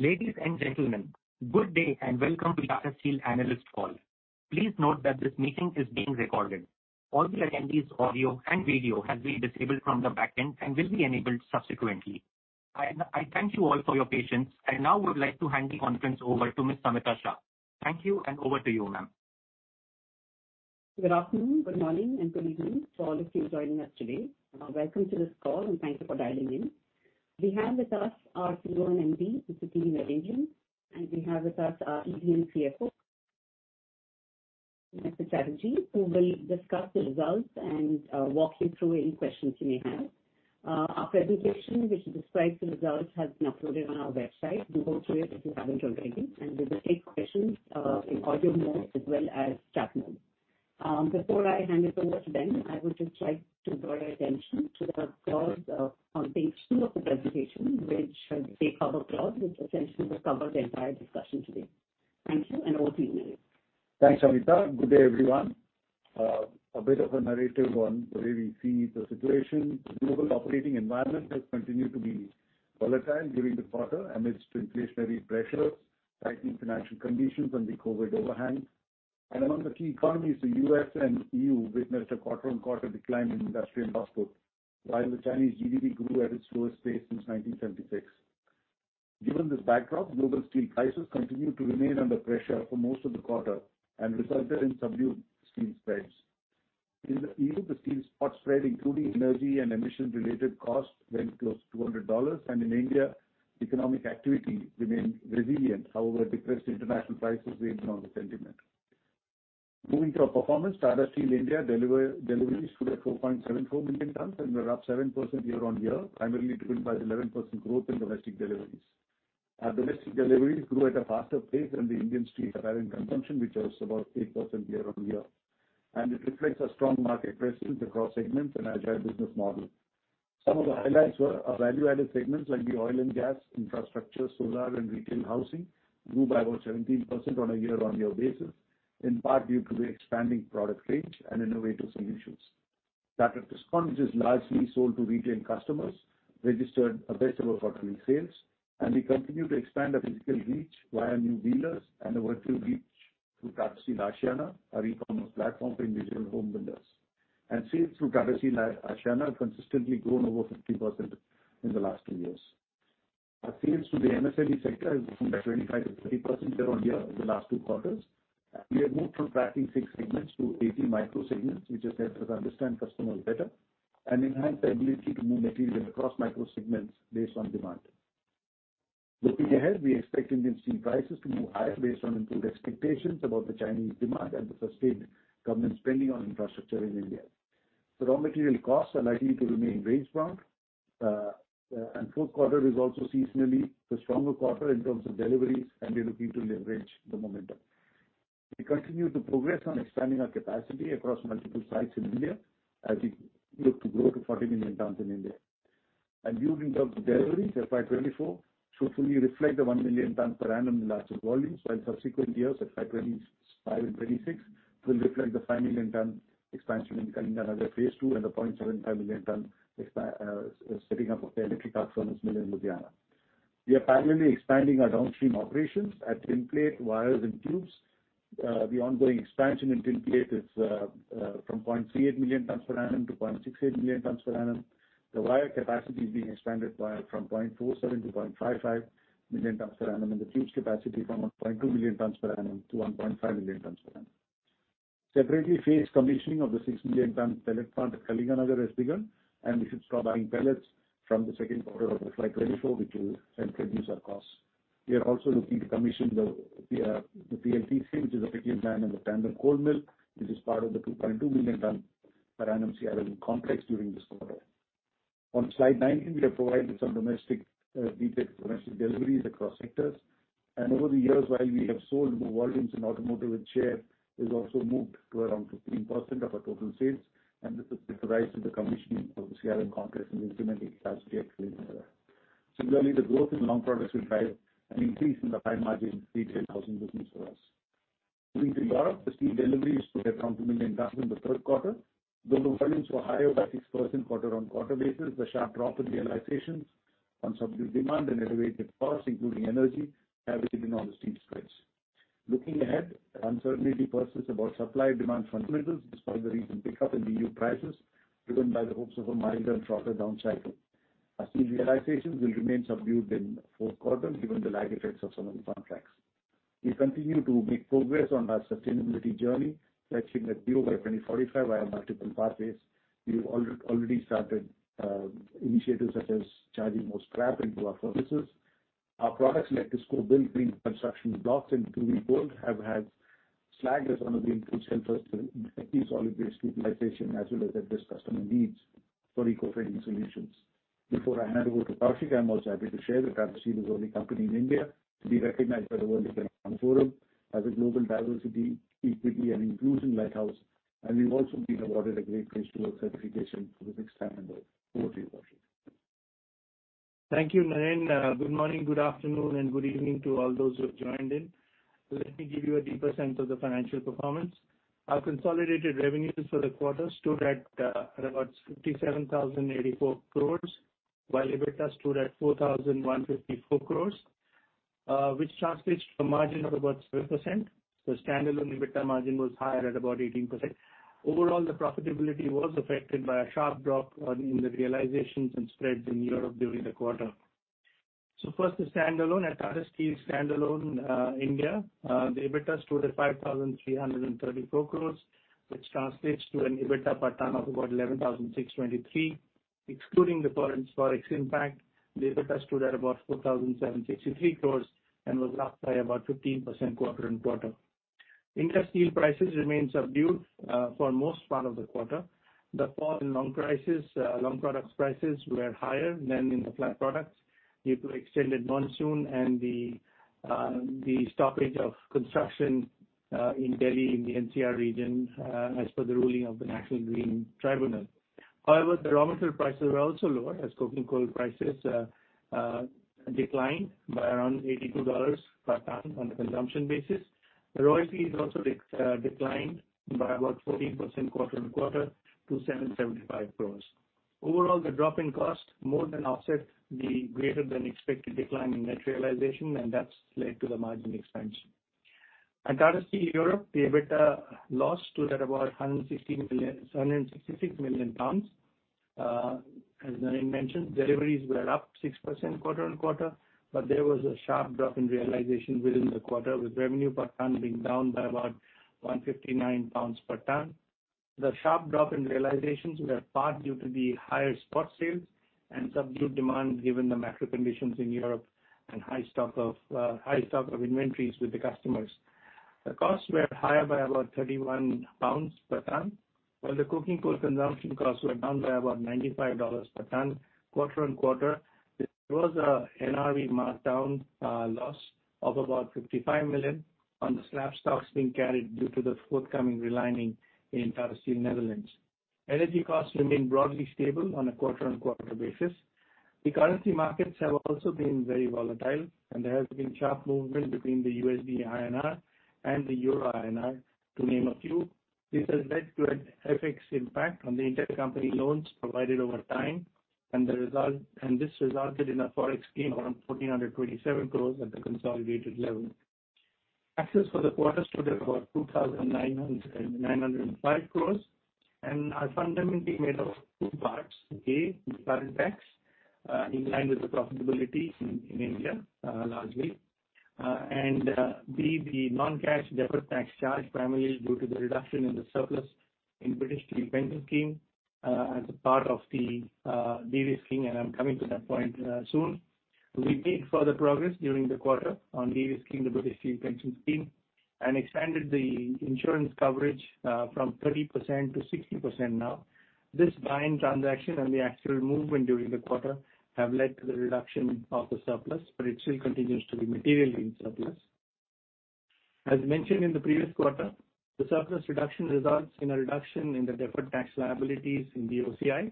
Ladies and gentlemen, good day and welcome to Tata Steel Analyst Call. Please note that this meeting is being recorded. All the attendees' audio and video has been disabled from the back end and will be enabled subsequently. I thank you all for your patience. I now would like to hand the conference over to Ms. Samita Shah. Thank you, over to you, ma'am. Good afternoon, good morning, and good evening to all of you joining us today. Welcome to this call, and thank you for dialing in. We have with us our CEO and MD, Mr. T. V. Narendran, and we have with us our ED and CFO, Mr. Chatterjee who will discuss the results and walk you through any questions you may have. Our presentation, which describes the results, has been uploaded on our website. Do go through it if you haven't already. We will take questions in audio mode as well as chat mode. Before I hand it over to them, I would just like to draw your attention to the clause on page two of the presentation, which is the cover clause, which essentially will cover the entire discussion today. Thank you. Over to you, Naren. Thanks, Samita. Good day, everyone. A bit of a narrative on the way we see the situation. Global operating environment has continued to be volatile during the quarter amidst inflationary pressures, tightening financial conditions and the COVID overhang. Among the key economies, the U.S. and E.U. witnessed a quarter-on-quarter decline in industrial output, while the Chinese GDP grew at its slowest pace since 1976. Given this backdrop, global steel prices continued to remain under pressure for most of the quarter and resulted in subdued steel spreads. In the E.U., the steel spot spread, including energy and emission related costs, went close to $200. In India, economic activity remained resilient, however depressed international prices weighed on the sentiment. Moving to our performance, Tata Steel India deliveries stood at 4.74 million tonnes and were up 7% year-on-year, primarily driven by 11% growth in domestic deliveries. Our domestic deliveries grew at a faster pace than the Indian steel apparent consumption, which was about 8% year-on-year. It reflects our strong market presence across segments and agile business model. Some of the highlights were our value-added segments, like the oil and gas, infrastructure, solar and retail housing grew by about 17% on a year-on-year basis, in part due to the expanding product range and innovative solutions. Tata Tiscon, which is largely sold to retail customers, registered a best ever quarterly sales. We continue to expand our physical reach via new dealers and a virtual reach through Tata Steel Aashiyana, our e-commerce platform for individual home builders. Sales through Tata Steel Aashiyana have consistently grown over 50% in the last two years. Our sales to the MSME sector has grown by 25%-30% year-on-year over the last two quarters. We have moved from tracking six segments to 80 micro segments, which has helped us understand customers better and enhance the ability to move material across micro segments based on demand. Looking ahead, we expect Indian steel prices to move higher based on improved expectations about the Chinese demand and the sustained government spending on infrastructure in India. Raw material costs are likely to remain range bound, and fourth quarter is also seasonally the stronger quarter in terms of deliveries, and we're looking to leverage the momentum. We continue to progress on expanding our capacity across multiple sites in India as we look to grow to 40 million tons in India. During the course of deliveries, FY 2024 should fully reflect the 1 million tonne per annum in Kalinganagar volumes, while subsequent years, FY 2025 and 2026 will reflect the 5 million tonne expansion in Kalinganagar Phase 2 and the 0.75 million tonne setting up of the electric arc furnace mill in Ludhiana. We are parallelly expanding our downstream operations at tin plate, wires and tubes. The ongoing expansion in tin plate is from 0.38 million tonnes per annum to 0.68 million tonnes per annum. The wire capacity is being expanded by, from 0.47 to 0.55 million tonnes per annum. The tubes capacity from 1.2 million tonnes per annum to 1.5 million tonnes per annum. Separately, phased commissioning of the 6 million tonne pellet plant at Kalinganagar has begun. We should start adding pellets from the second quarter of FY 2024, which will help reduce our costs. We are also looking to commission the PLTCM, which is a 50 million ton tandem coal mill, which is part of the 2.2 million tonne per annum CRM complex during this quarter. On slide 19, we have provided some domestic details of domestic deliveries across sectors. Over the years, while we have sold more volumes in automotive and share, it has also moved to around 15% of our total sales. This is due to rise with the commissioning of the CRM complex and the incremental capacity at Kalinganagar. Similarly, the growth in long products will drive an increase in the high-margin retail housing business for us. Moving to Europe, the steel deliveries were around 2 million tonnes in the third quarter. Though the volumes were higher by 6% quarter-on-quarter basis, the sharp drop in realizations on subdued demand and elevated costs, including energy, have weighed in on the steel spreads. Looking ahead, uncertainty persists about supply and demand fundamentals despite the recent pickup in EU prices, driven by the hopes of a milder and shorter down cycle. Our steel realizations will remain subdued in fourth quarter given the lag effects of some of the contracts. We continue to make progress on our sustainability journey, targeting net zero by 2045 via multiple pathways. We've already started initiatives such as charging more scrap into our furnaces. Our products like Tiscon Billets construction blocks and GGBS have had slag as one of the inputs, help us to increase solid waste utilization, as well as address customer needs for eco-friendly solutions. Before I hand over to Koushik Chatterjee, I'm also happy to share that Tata Steel is the only company in India to be recognized by the World Economic Forum as a global diversity, equity, and inclusion lighthouse. We've also been awarded a Great Place to Work certification for the sixth time in the quarter year. Thank you, Naren. Good morning, good afternoon, and good evening to all those who have joined in. Let me give you a deeper sense of the financial performance. Our consolidated revenues for the quarter stood at about 57,084 crores, while EBITDA stood at 4,154 crores, which translates to a margin of about 12%. Standalone EBITDA margin was higher at about 18%. Overall, the profitability was affected by a sharp drop in the realizations and spreads in Europe during the quarter. First the standalone, at Tata Steel standalone India, the EBITDA stood at 5,334 crores, which translates to an EBITDA per ton of about 11,623. Excluding the current Forex impact, the EBITDA stood at about 4,763 crores and was up by about 15% quarter-on-quarter. India steel prices remained subdued for most part of the quarter. The fall in long prices, long products prices were higher than in the flat products due to extended monsoon and the stoppage of construction in Delhi in the NCR region as per the ruling of the National Green Tribunal. However, barometer prices were also lower as coking coal prices declined by around $82 per ton on a consumption basis. Royalty has also declined by about 14% quarter-on-quarter to 775 crores. Overall, the drop in cost more than offset the greater than expected decline in net realization, and that's led to the margin expansion. At Tata Steel Europe, the EBITDA loss stood at about 166 million pounds. As Naren mentioned, deliveries were up 6% quarter-on-quarter. There was a sharp drop in realization within the quarter, with revenue per ton being down by about 159 pounds per ton. The sharp drop in realizations were part due to the higher spot sales and subdued demand given the macro conditions in Europe and high stock of inventories with the customers. The costs were higher by about 31 pounds per ton while the coking coal consumption costs were down by about $95 per ton quarter-on-quarter. There was a NRV markdown loss of about 55 million on the slab stocks being carried due to the forthcoming relining in Tata Steel Netherlands. Energy costs remain broadly stable on a quarter-on-quarter basis. The currency markets have also been very volatile and there has been sharp movement between the USD INR and the Euro INR to name a few. This has led to an FX impact on the intercompany loans provided over time, and this resulted in a Forex gain around 1,427 crores at the consolidated level. Taxes for the quarter stood at about 2,905 crores and are fundamentally made of two parts. A, the current tax in line with the profitability in India, largely. B, the non-cash deferred tax charge primarily is due to the reduction in the surplus in British Steel Pension Scheme as a part of the de-risk scheme, and I'm coming to that point soon. We made further progress during the quarter on de-risking the British Steel Pension Scheme and expanded the insurance coverage, from 30% to 60% now. This buy-in transaction and the actual movement during the quarter have led to the reduction of the surplus, but it still continues to be materially in surplus. As mentioned in the previous quarter, the surplus reduction results in a reduction in the deferred tax liabilities in the OCI.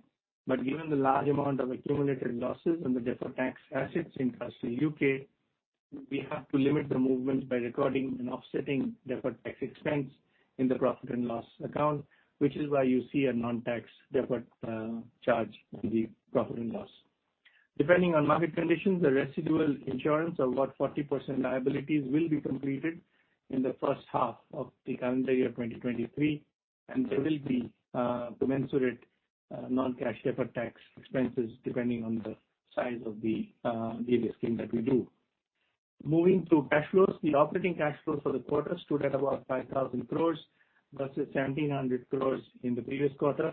Given the large amount of accumulated losses and the deferred tax assets in Tata Steel UK, we have to limit the movement by recording and offsetting deferred tax expense in the profit and loss account, which is why you see a non-tax deferred charge in the profit and loss. Depending on market conditions, the residual insurance of about 40% liabilities will be completed in the first half of the calendar year 2023, and there will be commensurate non-cash deferred tax expenses depending on the size of the de-risk scheme that we do. Moving to cash flows. The operating cash flow for the quarter stood at about 5,000 crores versus 1,700 crores in the previous quarter,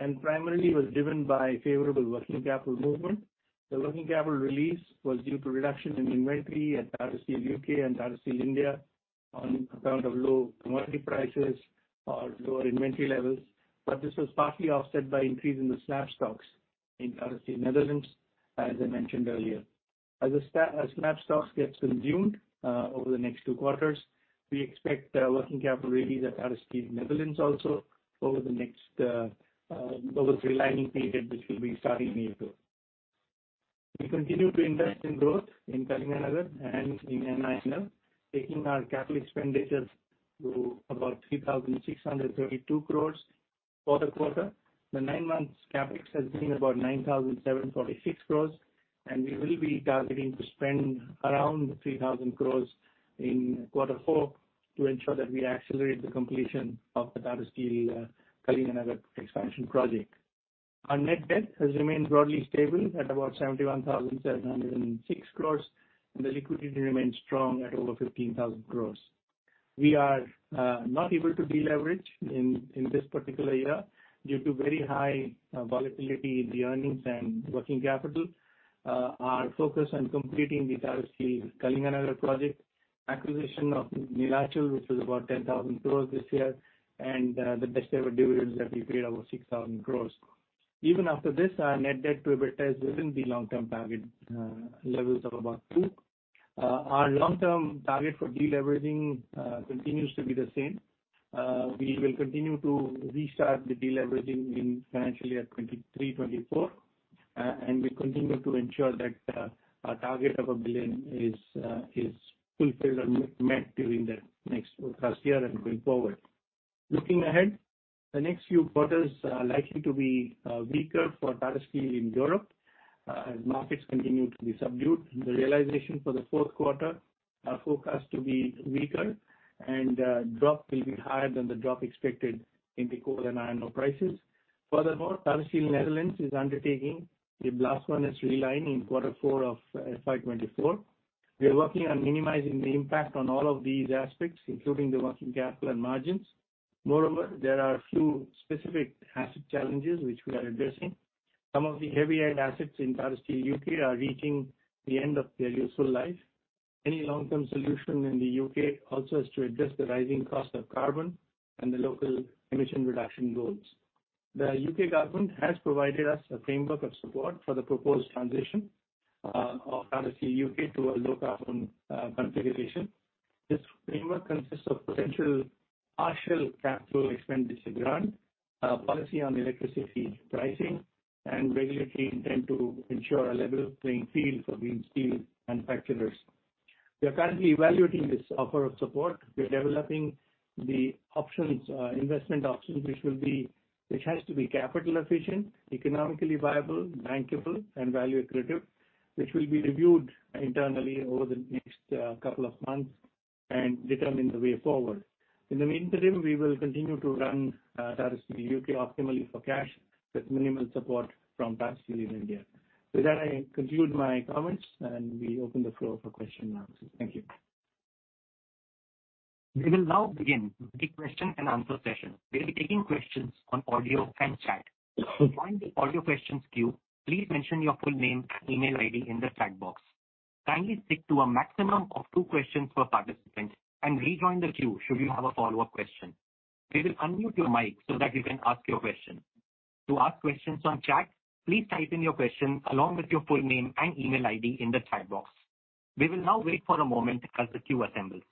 and primarily was driven by favorable working capital movement. The working capital release was due to reduction in inventory at Tata Steel UK and Tata Steel India on account of low commodity prices or lower inventory levels. This was partly offset by increase in the slab stocks in Tata Steel Netherlands, as I mentioned earlier. As slab stocks gets consumed over the next two quarters, we expect working capital release at Tata Steel Netherlands also over the relining period, which will be starting April. We continue to invest in growth in Kalinganagar and in Neelachal, taking our capital expenditures to about 3,632 crores for the quarter. The nine-months CapEx has been about 9,746 crores. We will be targeting to spend around 3,000 crores in quarter four to ensure that we accelerate the completion of the Tata Steel Kalinganagar expansion project. Our net debt has remained broadly stable at about 71,706 crores. The liquidity remains strong at over 15,000 crores. We are not able to deleverage in this particular year due to very high volatility in the earnings and working capital. Our focus on completing the Tata Steel Kalinganagar project acquisition of Neelachal, which is about 10,000 crore this year, and the best ever dividends that we paid over 6,000 crore. Even after this, our net debt to EBITDA is within the long-term target levels of about 2. Our long-term target for deleveraging continues to be the same. We will continue to restart the deleveraging in financial year 2023-2024. We continue to ensure that our target of 1 billion is fulfilled and met during the next year and going forward. Looking ahead, the next few quarters are likely to be weaker for Tata Steel Europe as markets continue to be subdued. The realization for the fourth quarter are forecast to be weaker and drop will be higher than the drop expected in the coal and iron ore prices. Furthermore, Tata Steel Netherlands is undertaking a blast furnace relining in quarter four of FY 2024. We are working on minimizing the impact on all of these aspects, including the working capital and margins. Moreover, there are a few specific asset challenges which we are addressing. Some of the heavy end assets in Tata Steel UK are reaching the end of their useful life. Any long-term solution in the U.K. Also has to address the rising cost of carbon and the local emission reduction goals. The U.K. Government has provided us a framework of support for the proposed transition of Tata Steel UK to a low carbon configuration. This framework consists of potential partial capital expenditure grant, policy on electricity pricing and regulatory intent to ensure a level playing field for green steel manufacturers. We are currently evaluating this offer of support. We are developing the options, investment options, which has to be capital efficient, economically viable, bankable and value accretive, which will be reviewed internally over the next couple of months and determine the way forward. In the meantime, we will continue to run Tata Steel UK optimally for cash with minimal support from Tata Steel India. With that, I conclude my comments. We open the floor for question and answers. Thank you. We will now begin the question and answer session. We'll be taking questions on audio and chat. To join the audio questions queue, please mention your full name and email ID in the chat box. Kindly stick to a maximum of two questions per participant and rejoin the queue should you have a follow-up question. We will unmute your mic so that you can ask your question. To ask questions on chat, please type in your question along with your full name and email ID in the chat box. We will now wait for a moment as the queue assembles.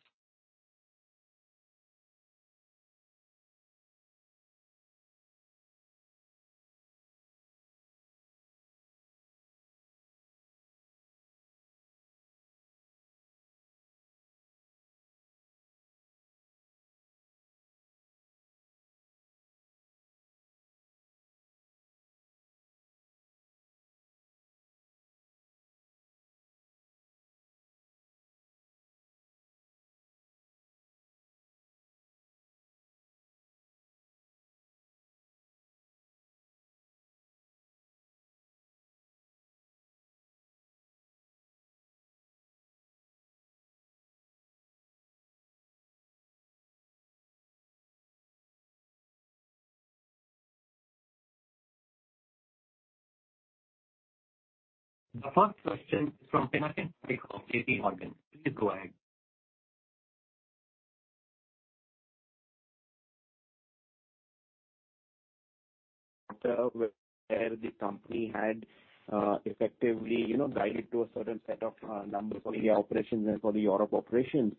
The first question from Pinakin Parekh of JPMorgan. Please go ahead. Where the company had effectively, you know, guided to a certain set of numbers for the operations and for the Europe operations.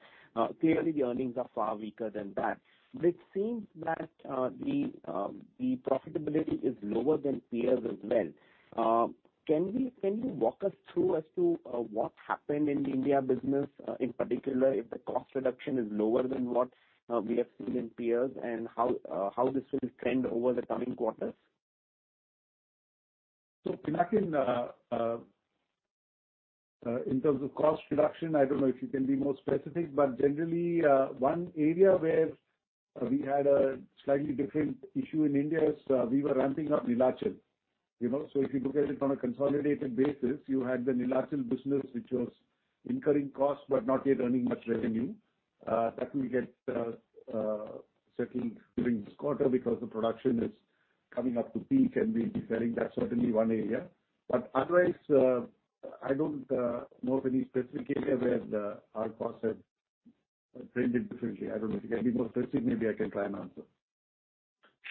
Clearly the earnings are far weaker than that. It seems that the profitability is lower than peers as well. Can we, can you walk us through as to what happened in India business in particular, if the cost reduction is lower than what we have seen in peers and how this will trend over the coming quarters? Pinakin, in terms of cost reduction, I don't know if you can be more specific, but generally, one area where we had a slightly different issue in India is, we were ramping up Neelachal. You know, if you look at it on a consolidated basis, you had the Neelachal business which was incurring costs but not yet earning much revenue. That will get settled during this quarter because the production is coming up to peak, and we'll be selling. That's certainly one area. Otherwise, I don't know of any specific area where our costs have trended differently. I don't know. If you can be more specific, maybe I can try and answer.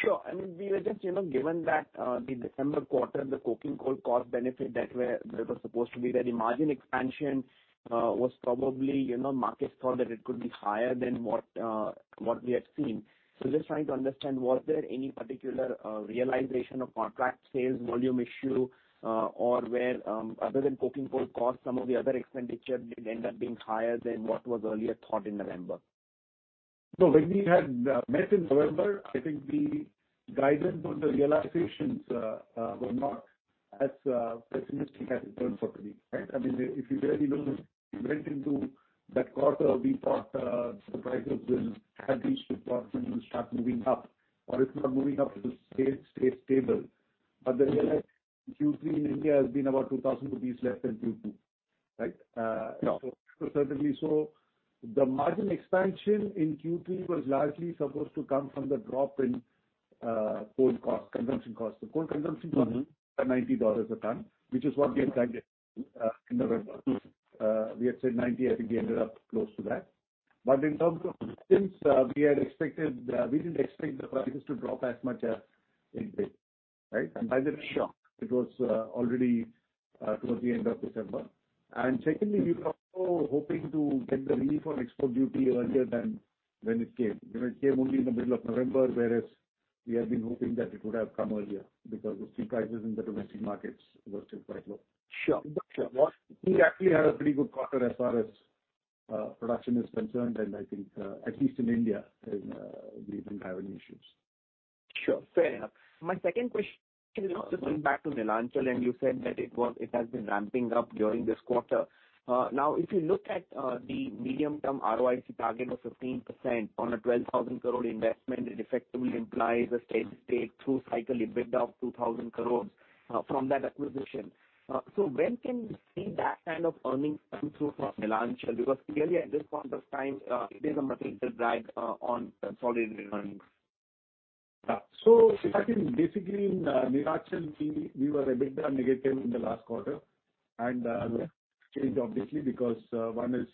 Sure. I mean, we were just, you know, given that, the December quarter, the coking coal cost benefit that was supposed to be there, the margin expansion, was probably, you know, markets thought that it could be higher than what we had seen. Just trying to understand, was there any particular, realization of contract sales volume issue, or where, other than coking coal cost, some of the other expenditure did end up being higher than what was earlier thought in November? When we had met in November, I think the guidance on the realizations were not as pessimistic as it turned out to be, right? I mean, if you really look, we went into that quarter, we thought the prices will have reached the bottom and start moving up, or if not moving up, it will stay stable. The realized Q3 in India has been about 2,000 rupees less than Q2, right? Certainly. The margin expansion in Q3 was largely supposed to come from the drop in coal cost, consumption costs. The coal consumption costs were $90 a ton, which is what we had guided in November. We had said $90. I think we ended up close to that. In terms of since, we had expected, we didn't expect the prices to drop as much as it did, right? Sure. It was already towards the end of December. Secondly, we were also hoping to get the relief on export duty earlier than when it came. You know, it came only in the middle of November, whereas we had been hoping that it would have come earlier because the steel prices in the domestic markets were still quite low. Sure. Sure. We actually had a pretty good quarter as far as production is concerned. I think, at least in India, we didn't have any issues. Sure. Fair enough. My second question is just going back to Neelachal. You said that it has been ramping up during this quarter. Now if you look at the medium-term ROIC target of 15% on a 12,000 crore investment, it effectively implies a steady state through cycle EBITDA of 2,000 crores from that acquisition. When can we see that kind of earnings come through from Neelachal? Because clearly at this point of time, it is a material drag on solid earnings. If I can, basically in Neelachal, we were a bit negative in the last quarter. Change obviously because one is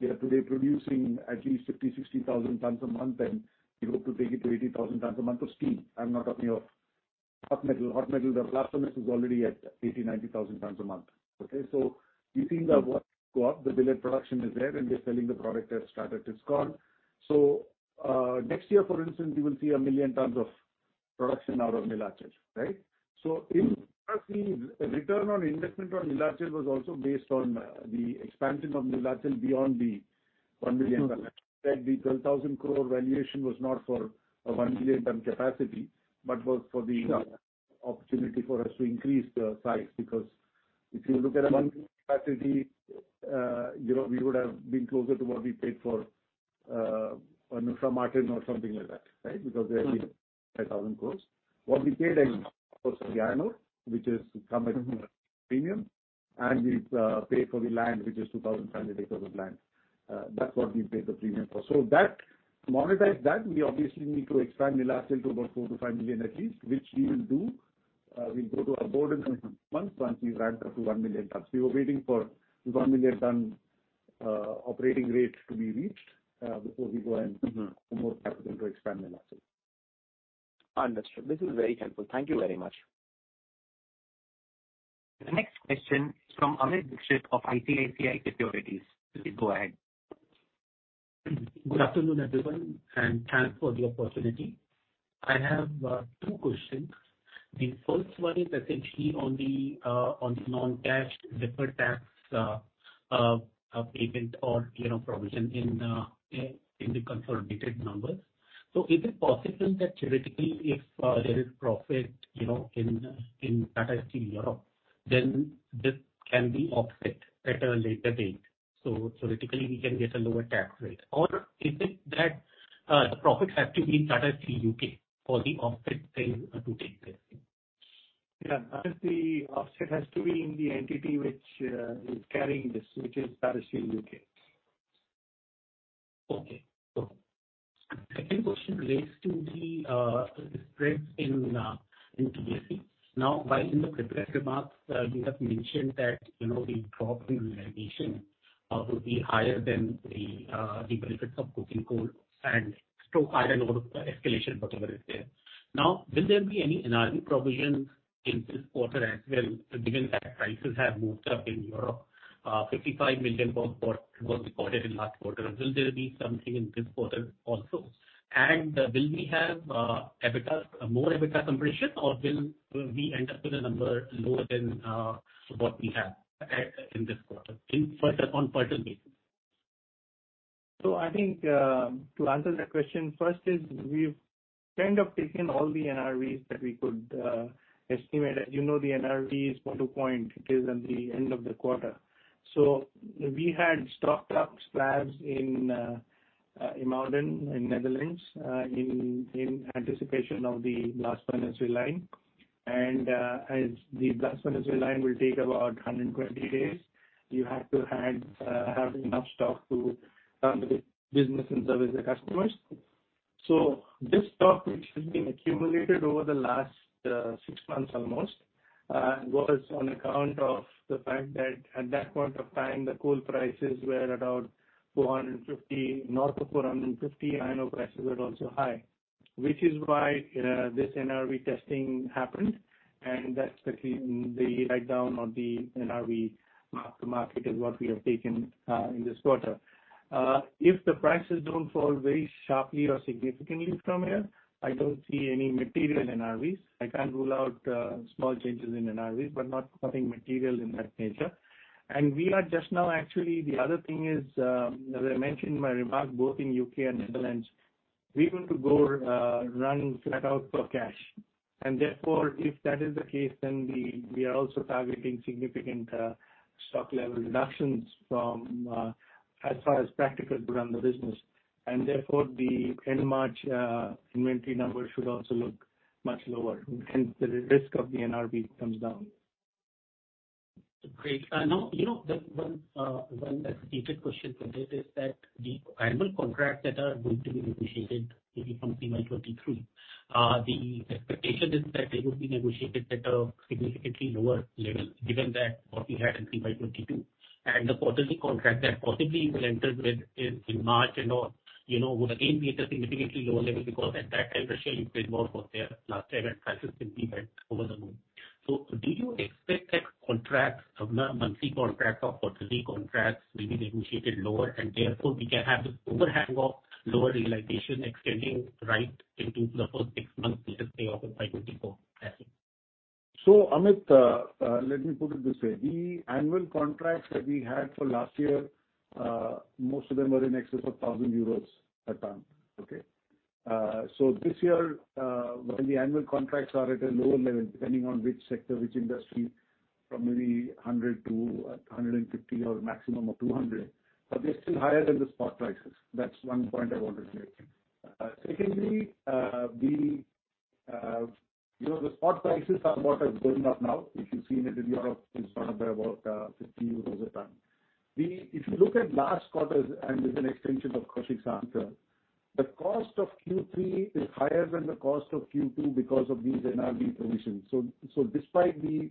we are today producing at least 50,000-60,000 tons a month, and we hope to take it to 80,000 tons a month of steel. I'm not talking of hot metal. Hot metal, the platform is already at 80,000-90,000 tons a month. Okay? We think that will go up. The billet production is there, and we're selling the product as Tata Tiscon. Next year, for instance, we will see 1 million tons of production out of Neelachal, right? In the return on investment on Neelachal was also based on the expansion of Neelachal beyond the 1 million ton. The 12,000 crore valuation was not for a 1 million ton capacity, but was for the. Sure. If you look at a one capacity, you know, we would have been closer to what we paid for on Usha Martin or something like that, right? They are only 5,000 crores. What we paid of course the iron ore, which is somewhere premium, and we paid for the land, which is 2,000 tons of acres of land. That's what we paid the premium for. To monetize that we obviously need to expand Neelachal to about 4-5 million at least, which we will do. We'll go to our board in a few months, once we ramp up to 1 million tons. We were waiting for the 1 million ton operating rate to be reached before we go. Mm-hmm. Put more capital to expand Neelachal. Understood. This is very helpful. Thank you very much. The next question from Amit Dixit of ICICI Securities. Please go ahead. Good afternoon, everyone, thanks for the opportunity. I have two questions. The first one is essentially on the non-cash deferred tax payment or, you know, provision in the consolidated numbers. Is it possible that theoretically if there is profit, you know, in Tata Steel Europe, then this can be offset at a later date? Theoretically we can get a lower tax rate. Is it that the profits have to be in Tata Steel UK for the offset thing to take place? Yeah. I think the offset has to be in the entity which is carrying this, which is Tata Steel UK. Okay, cool. Second question relates to the spread in TSE. While in the prepared remarks, you have mentioned that, you know, the drop in utilization will be higher than the benefits of coking coal and stroke iron ore escalation, whatever is there. Will there be any NRV provision in this quarter as well, given that prices have moved up in Europe, INR 55 million was recorded in last quarter. Will there be something in this quarter also? Will we have more EBITDA compression or will we end up with a number lower than what we have in this quarter in quarter-on-quarter basis? I think, to answer that question first is we've kind of taken all the NRVs that we could estimate. As you know, the NRV is point to point. It is at the end of the quarter. We had stocked up slabs in IJmuiden, in Netherlands, in anticipation of the blast furnace reline. As the blast furnace reline will take about 120 days, you have to have enough stock to run the business and service the customers. This stock, which has been accumulated over the last six months almost, was on account of the fact that at that point of time the coal prices were about $450, north of $450. Iron ore prices were also high, which is why this NRV testing happened. That's the write down of the NRV mark to market is what we have taken in this quarter. If the prices don't fall very sharply or significantly from here, I don't see any material NRVs. I can't rule out small changes in NRVs, but not nothing material in that nature. We are just now actually the other thing is, as I mentioned in my remark, both in UK and Netherlands, we're going to go run flat out for cash. If that is the case, then we are also targeting significant stock level reductions from as far as practical to run the business. The end March inventory numbers should also look much lower, hence the risk of the NRV comes down. Great. now you know, the one specific question for this is that the annual contracts that are going to be negotiated maybe from FY23, the expectation is that they will be negotiated at a significantly lower level given that what we had in FY22. The quarterly contract that possibly you will enter with in March and or, you know, would again be at a significantly lower level because at that time Russian export was there. Last time that prices could be head over the moon. Do you expect that contract, monthly contract or quarterly contracts will be negotiated lower and therefore we can have the overhang of lower realization extending right into the first six months of fiscal year 24? That's it. Amit, let me put it this way. The annual contracts that we had for last year, most of them were in excess of 1,000 euros a ton. Okay? This year, when the annual contracts are at a lower level, depending on which sector, which industry, from maybe 100-150 or maximum of 200. They're still higher than the spot prices. That's one point I wanted to make. Secondly, you know, the spot prices are what are going up now. If you've seen it in Europe it's gone up by about 50 a ton. If you look at last quarter's, and as an extension of Koushik's answer, the cost of Q3 is higher than the cost of Q2 because of these NRV provisions. Despite the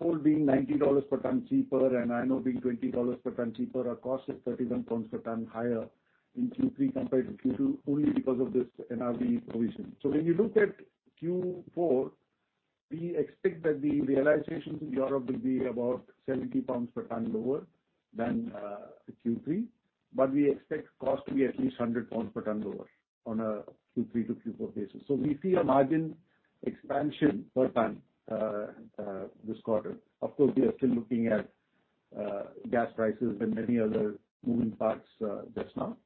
coal being $90 per ton cheaper and iron ore being $20 per ton cheaper, our cost is 31 pounds per ton higher in Q3 compared to Q2 only because of this NRV provision. When you look at Q4, we expect that the realizations in Europe will be about 70 pounds per ton lower than Q3, but we expect cost to be at least 100 pounds per ton lower on a Q3 to Q4 basis. We see a margin expansion per ton this quarter. Of course, we are still looking at gas prices and many other moving parts just now.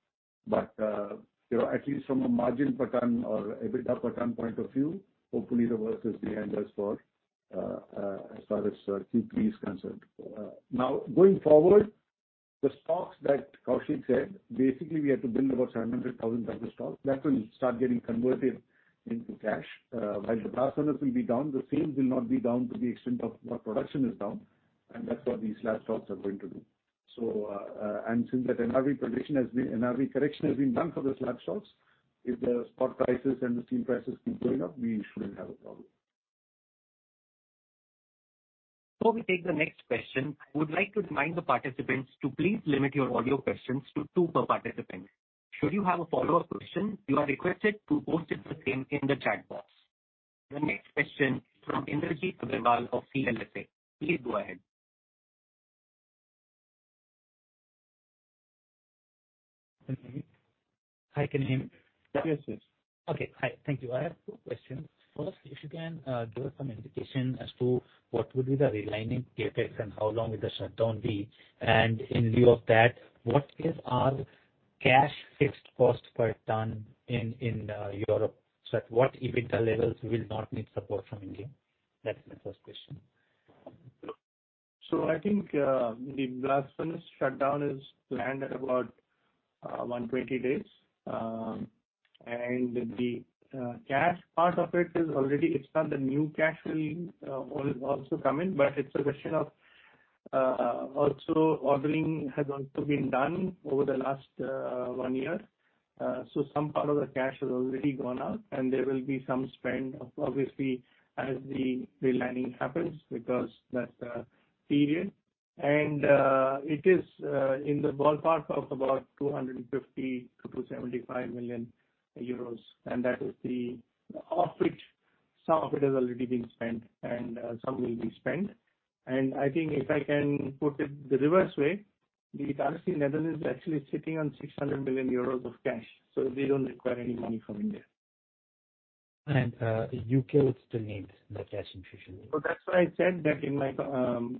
You know, at least from a margin per ton or EBITDA per ton point of view, hopefully the worst is behind us as far as Q3 is concerned. Going forward, the stocks that Koushik said, basically we had to build about 700,000 tons of stock. That will start getting converted into cash. While the blast furnace will be down, the sales will not be down to the extent of what production is down, and that's what these slab stocks are going to do. Since that NRV provision NRV correction has been done for the slab stocks, if the spot prices and the steel prices keep going up, we shouldn't have a problem. Before we take the next question, I would like to remind the participants to please limit your audio questions to two per participant. Should you have a follow-up question, you are requested to post it with him in the chat box. The next question from Indrajit Agrawal of CLSA. Please go ahead. Hi, Naren. Yes, yes. Okay. Hi. Thank you. I have two questions. First, if you can give us some indication as to what will be the relining CapEx and how long will the shutdown be? In view of that, what is our cash fixed cost per ton in Europe? At what EBITDA levels we'll not need support from India? That's my first question. I think the blast furnace shutdown is planned at about 120 days. It's not the new cash will also come in, but it's a question of also ordering has also been done over the last one year. Some part of the cash has already gone out, and there will be some spend obviously as the relining happens because that's the period. It is in the ballpark of about 250 million-275 million euros, that is the off which some of it has already been spent and some will be spent. I think if I can put it the reverse way, the Netherlands is actually sitting on 600 million euros of cash, they don't require any money from India. U.K. would still need the cash infusion. That's why I said that in my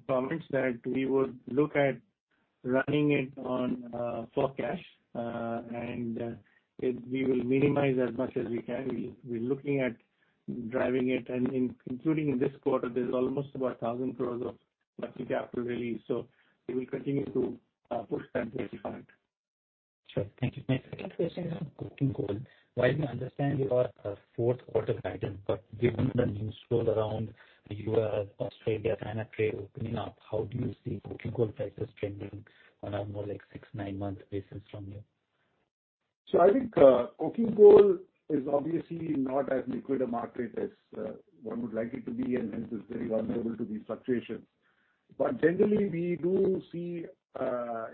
comments that we would look at running it on for cash. We will minimize as much as we can. We're looking at driving it. Including in this quarter, there's almost about 1,000 crores of working capital release. We will continue to push that to a point. Sure. Thank you. My second question is on coking coal. While we understand your fourth quarter guidance, given the news flow around the U.S., Australia, China trade opening up, how do you see coking coal prices trending on a more like six, nine-month basis from here? I think coking coal is obviously not as liquid a market as one would like it to be and hence is very vulnerable to these fluctuations. Generally, we do see,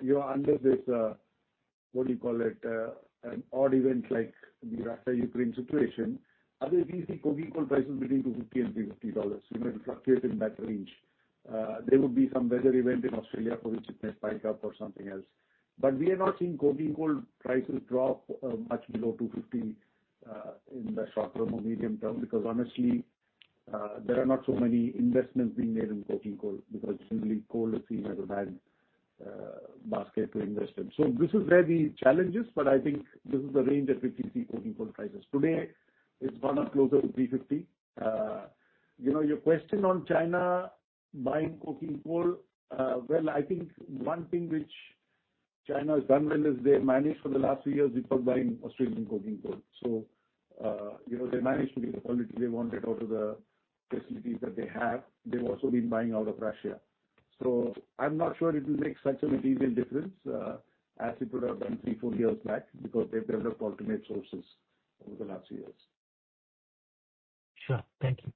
you know, under this, what do you call it, an odd event like the Russi-Ukraine situation. Otherwise we see coking coal prices between $250 and $350. You know, it fluctuates in that range. There would be some weather event in Australia for which it may spike up or something else. We have not seen coking coal prices drop much below $250 in the short term or medium term. Honestly, there are not so many investments being made in coking coal because generally coal is seen as a bad basket to invest in. This is where the challenge is, but I think this is the range that we can see coking coal prices. Today it's gone up closer to $350. You know, your question on China buying coking coal, well, I think one thing which China has done well is they managed for the last few years without buying Australian coking coal. You know, they managed with the quality they wanted out of the facilities that they have. They've also been buying out of Russia. I'm not sure it will make such a material difference as it would have done three, four years back because they've developed alternate sources over the last few years. Sure. Thank you.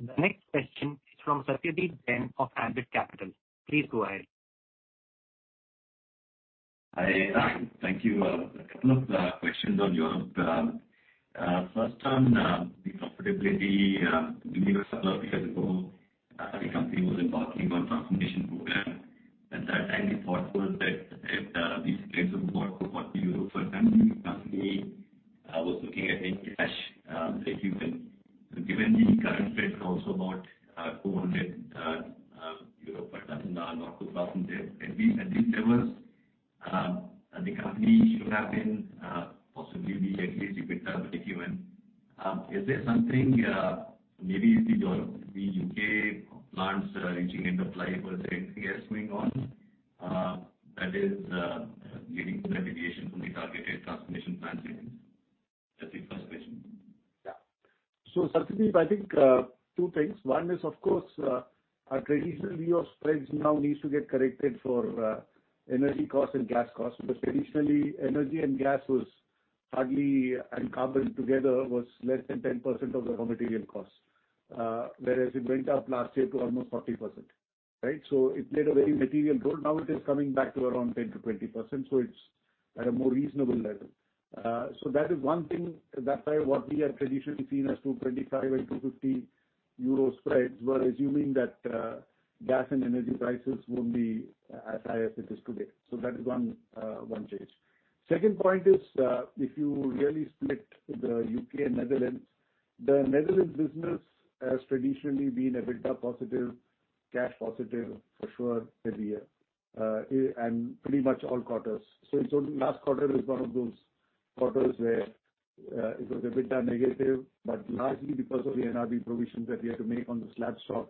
The next question is from Satyadeep Jain of Ambit Capital. Please go ahead. I, thank you. A couple of questions on Europe. First on the profitability. Maybe a couple of years ago, the company was embarking on transformation program. At that time, the thought was that if these spreads of EUR 4-40 per ton, the company was looking at making cash. Given the current spreads are also about 200 euro per ton and not EUR 2,000, at least there was the company should have been possibly be at least EBITDA positive even. Is there something, maybe it's the Europe, the UK plants reaching end of life or is there anything else going on that is leading to the deviation from the targeted transformation plans? That's the first question. Yeah. Satyadeep, I think, two things. One is, of course, our traditional view of spreads now needs to get corrected for energy costs and gas costs. Traditionally, energy and gas and carbon together was less than 10% of the raw material costs. Whereas it went up last year to almost 40%, right? It played a very material role. Now it is coming back to around 10%-20%, so it's at a more reasonable level. That is one thing. That's why what we had traditionally seen as 225 and 250 euro spreads, we're assuming that gas and energy prices won't be as high as it is today. That is one change. Second point is, if you really split the UK and Netherlands, the Netherlands business has traditionally been EBITDA positive, cash positive for sure every year, and pretty much all quarters. Last quarter is one of those quarters where it was EBITDA negative, but largely because of the NRV provisions that we had to make on the slab stock,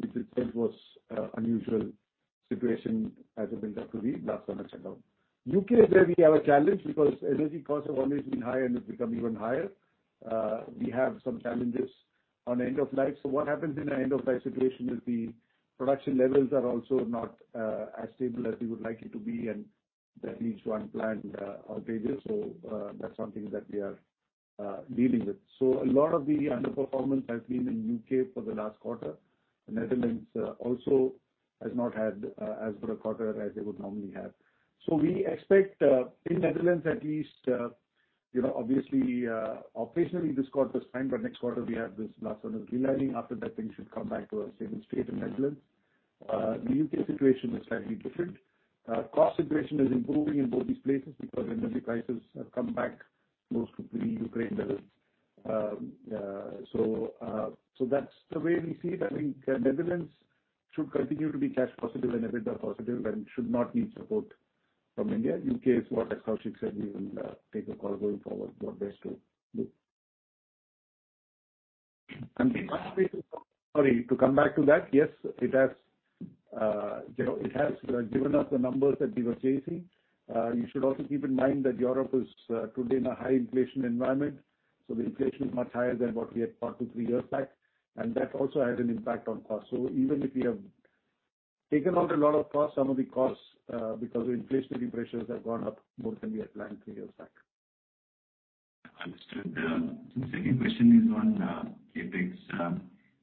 which itself was unusual situation as a builder to the blast furnace shutdown. UK is where we have a challenge because energy costs have always been high and it's become even higher. We have some challenges on end of life. What happens in an end of life situation is the production levels are also not as stable as we would like it to be, and that leads to unplanned outages. That's something that we are dealing with. A lot of the underperformance has been in UK for the last quarter. The Netherlands also has not had as good a quarter as they would normally have. We expect in Netherlands at least, you know, obviously, operationally this quarter is time, but next quarter we have this blast furnace relining. After that things should come back to a stable state in Netherlands. The UK situation is slightly different. Cost situation is improving in both these places because the energy prices have come back close to pre-Ukraine levels. That's the way we see it. I think Netherlands should continue to be cash positive and EBITDA positive and should not need support from India. UK is what Koushik said, we will take a call going forward what best to do. Sorry, to come back to that. Yes, it has, you know, it has given us the numbers that we were chasing. You should also keep in mind that Europe is today in a high inflation environment. The inflation is much higher than what we had thought two, three years back, and that also has an impact on costs. Even if we have taken out a lot of costs, some of the costs, because of inflationary pressures have gone up more than we had planned three years back. Understood. The second question is on CapEx.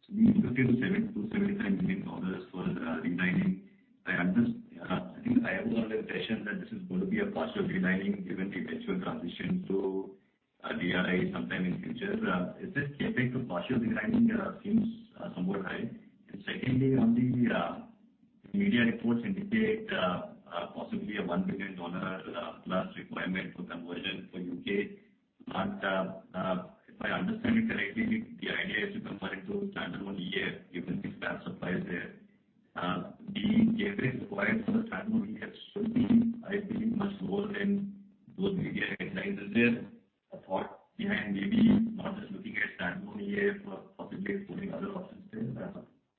Between $50 million-$75 million for relining. I am just, I think I am under the impression that this is going to be a partial relining given the eventual transition to DRI sometime in future. Is this CapEx of partial relining seems somewhat high? Secondly, on the media reports indicate possibly a $1 billion plus requirement for conversion for U.K. If I understand you correctly, the idea is to convert into standalone EF given the slab supplies there. The CapEx required for the standalone EF should be, I believe, much more than those media headlines. Is there a thought behind maybe not just looking at standalone EF, but possibly exploring other options there?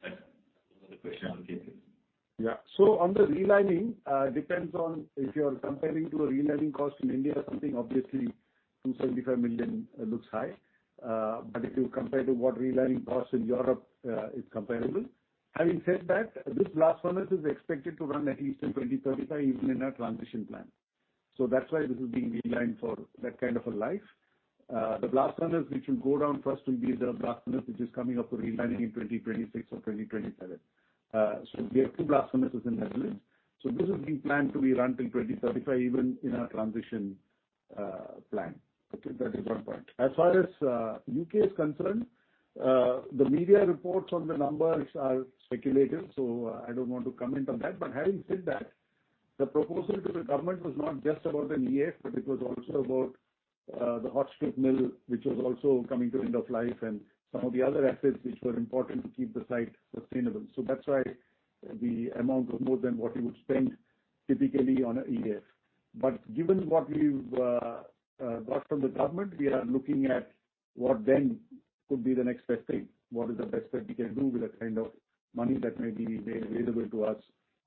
That's another question on CapEx. Yeah. On the relining, depends on if you're comparing to a relining cost in India or something, obviously some 75 million looks high. If you compare to what relining costs in Europe, it's comparable. Having said that, this blast furnace is expected to run at least till 2035 even in our transition plan. That's why this is being relined for that kind of a life. The blast furnace which will go down first will be the blast furnace which is coming up for relining in 2026 or 2027. We have two blast furnaces in Netherlands. This is being planned to be run till 2035 even in our transition plan. Okay. That is one point. As far as U.K. is concerned, the media reports on the numbers are speculative. I don't want to comment on that. Having said that, the proposal to the government was not just about an EAF, but it was also about the hot strip mill, which was also coming to end of life and some of the other assets which were important to keep the site sustainable. That's why the amount was more than what you would spend typically on an EAF. Given what we've got from the government, we are looking at what then could be the next best thing. What is the best that we can do with that kind of money that may be made available to us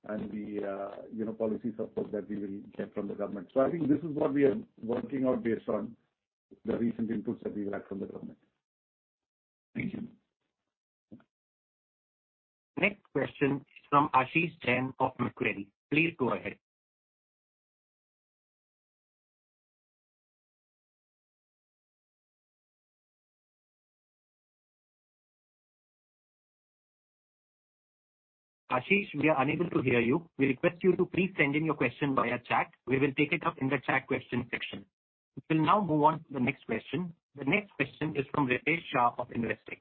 and the, you know, policy support that we will get from the government. I think this is what we are working out based on the recent inputs that we've had from the government. Thank you. Next question is from Ashish Jain of Macquarie. Please go ahead. Ashish, we are unable to hear you. We request you to please send in your question via chat. We will take it up in the chat question section. We will now move on to the next question. The next question is from Ritesh Shah of Investec.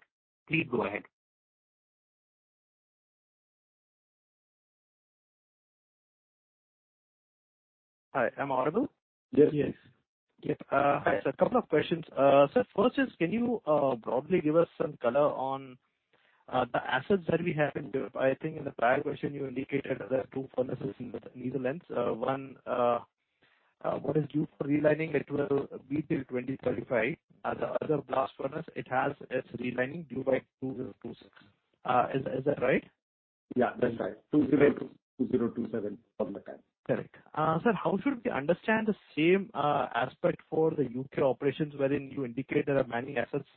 Please go ahead. Hi, am I audible? Yes. Yes. Hi, sir. A couple of questions. Sir, first is can you broadly give us some color on the assets that we have in Europe? I think in the prior question you indicated there are two furnaces in the Netherlands. One, what is due for relining it will be till 2035. The other blast furnace, it has its relining due by 2026. Is that right? Yeah, that's right, 2002- 2027 from the time. Correct. Sir, how should we understand the same aspect for the UK operations wherein you indicate there are many assets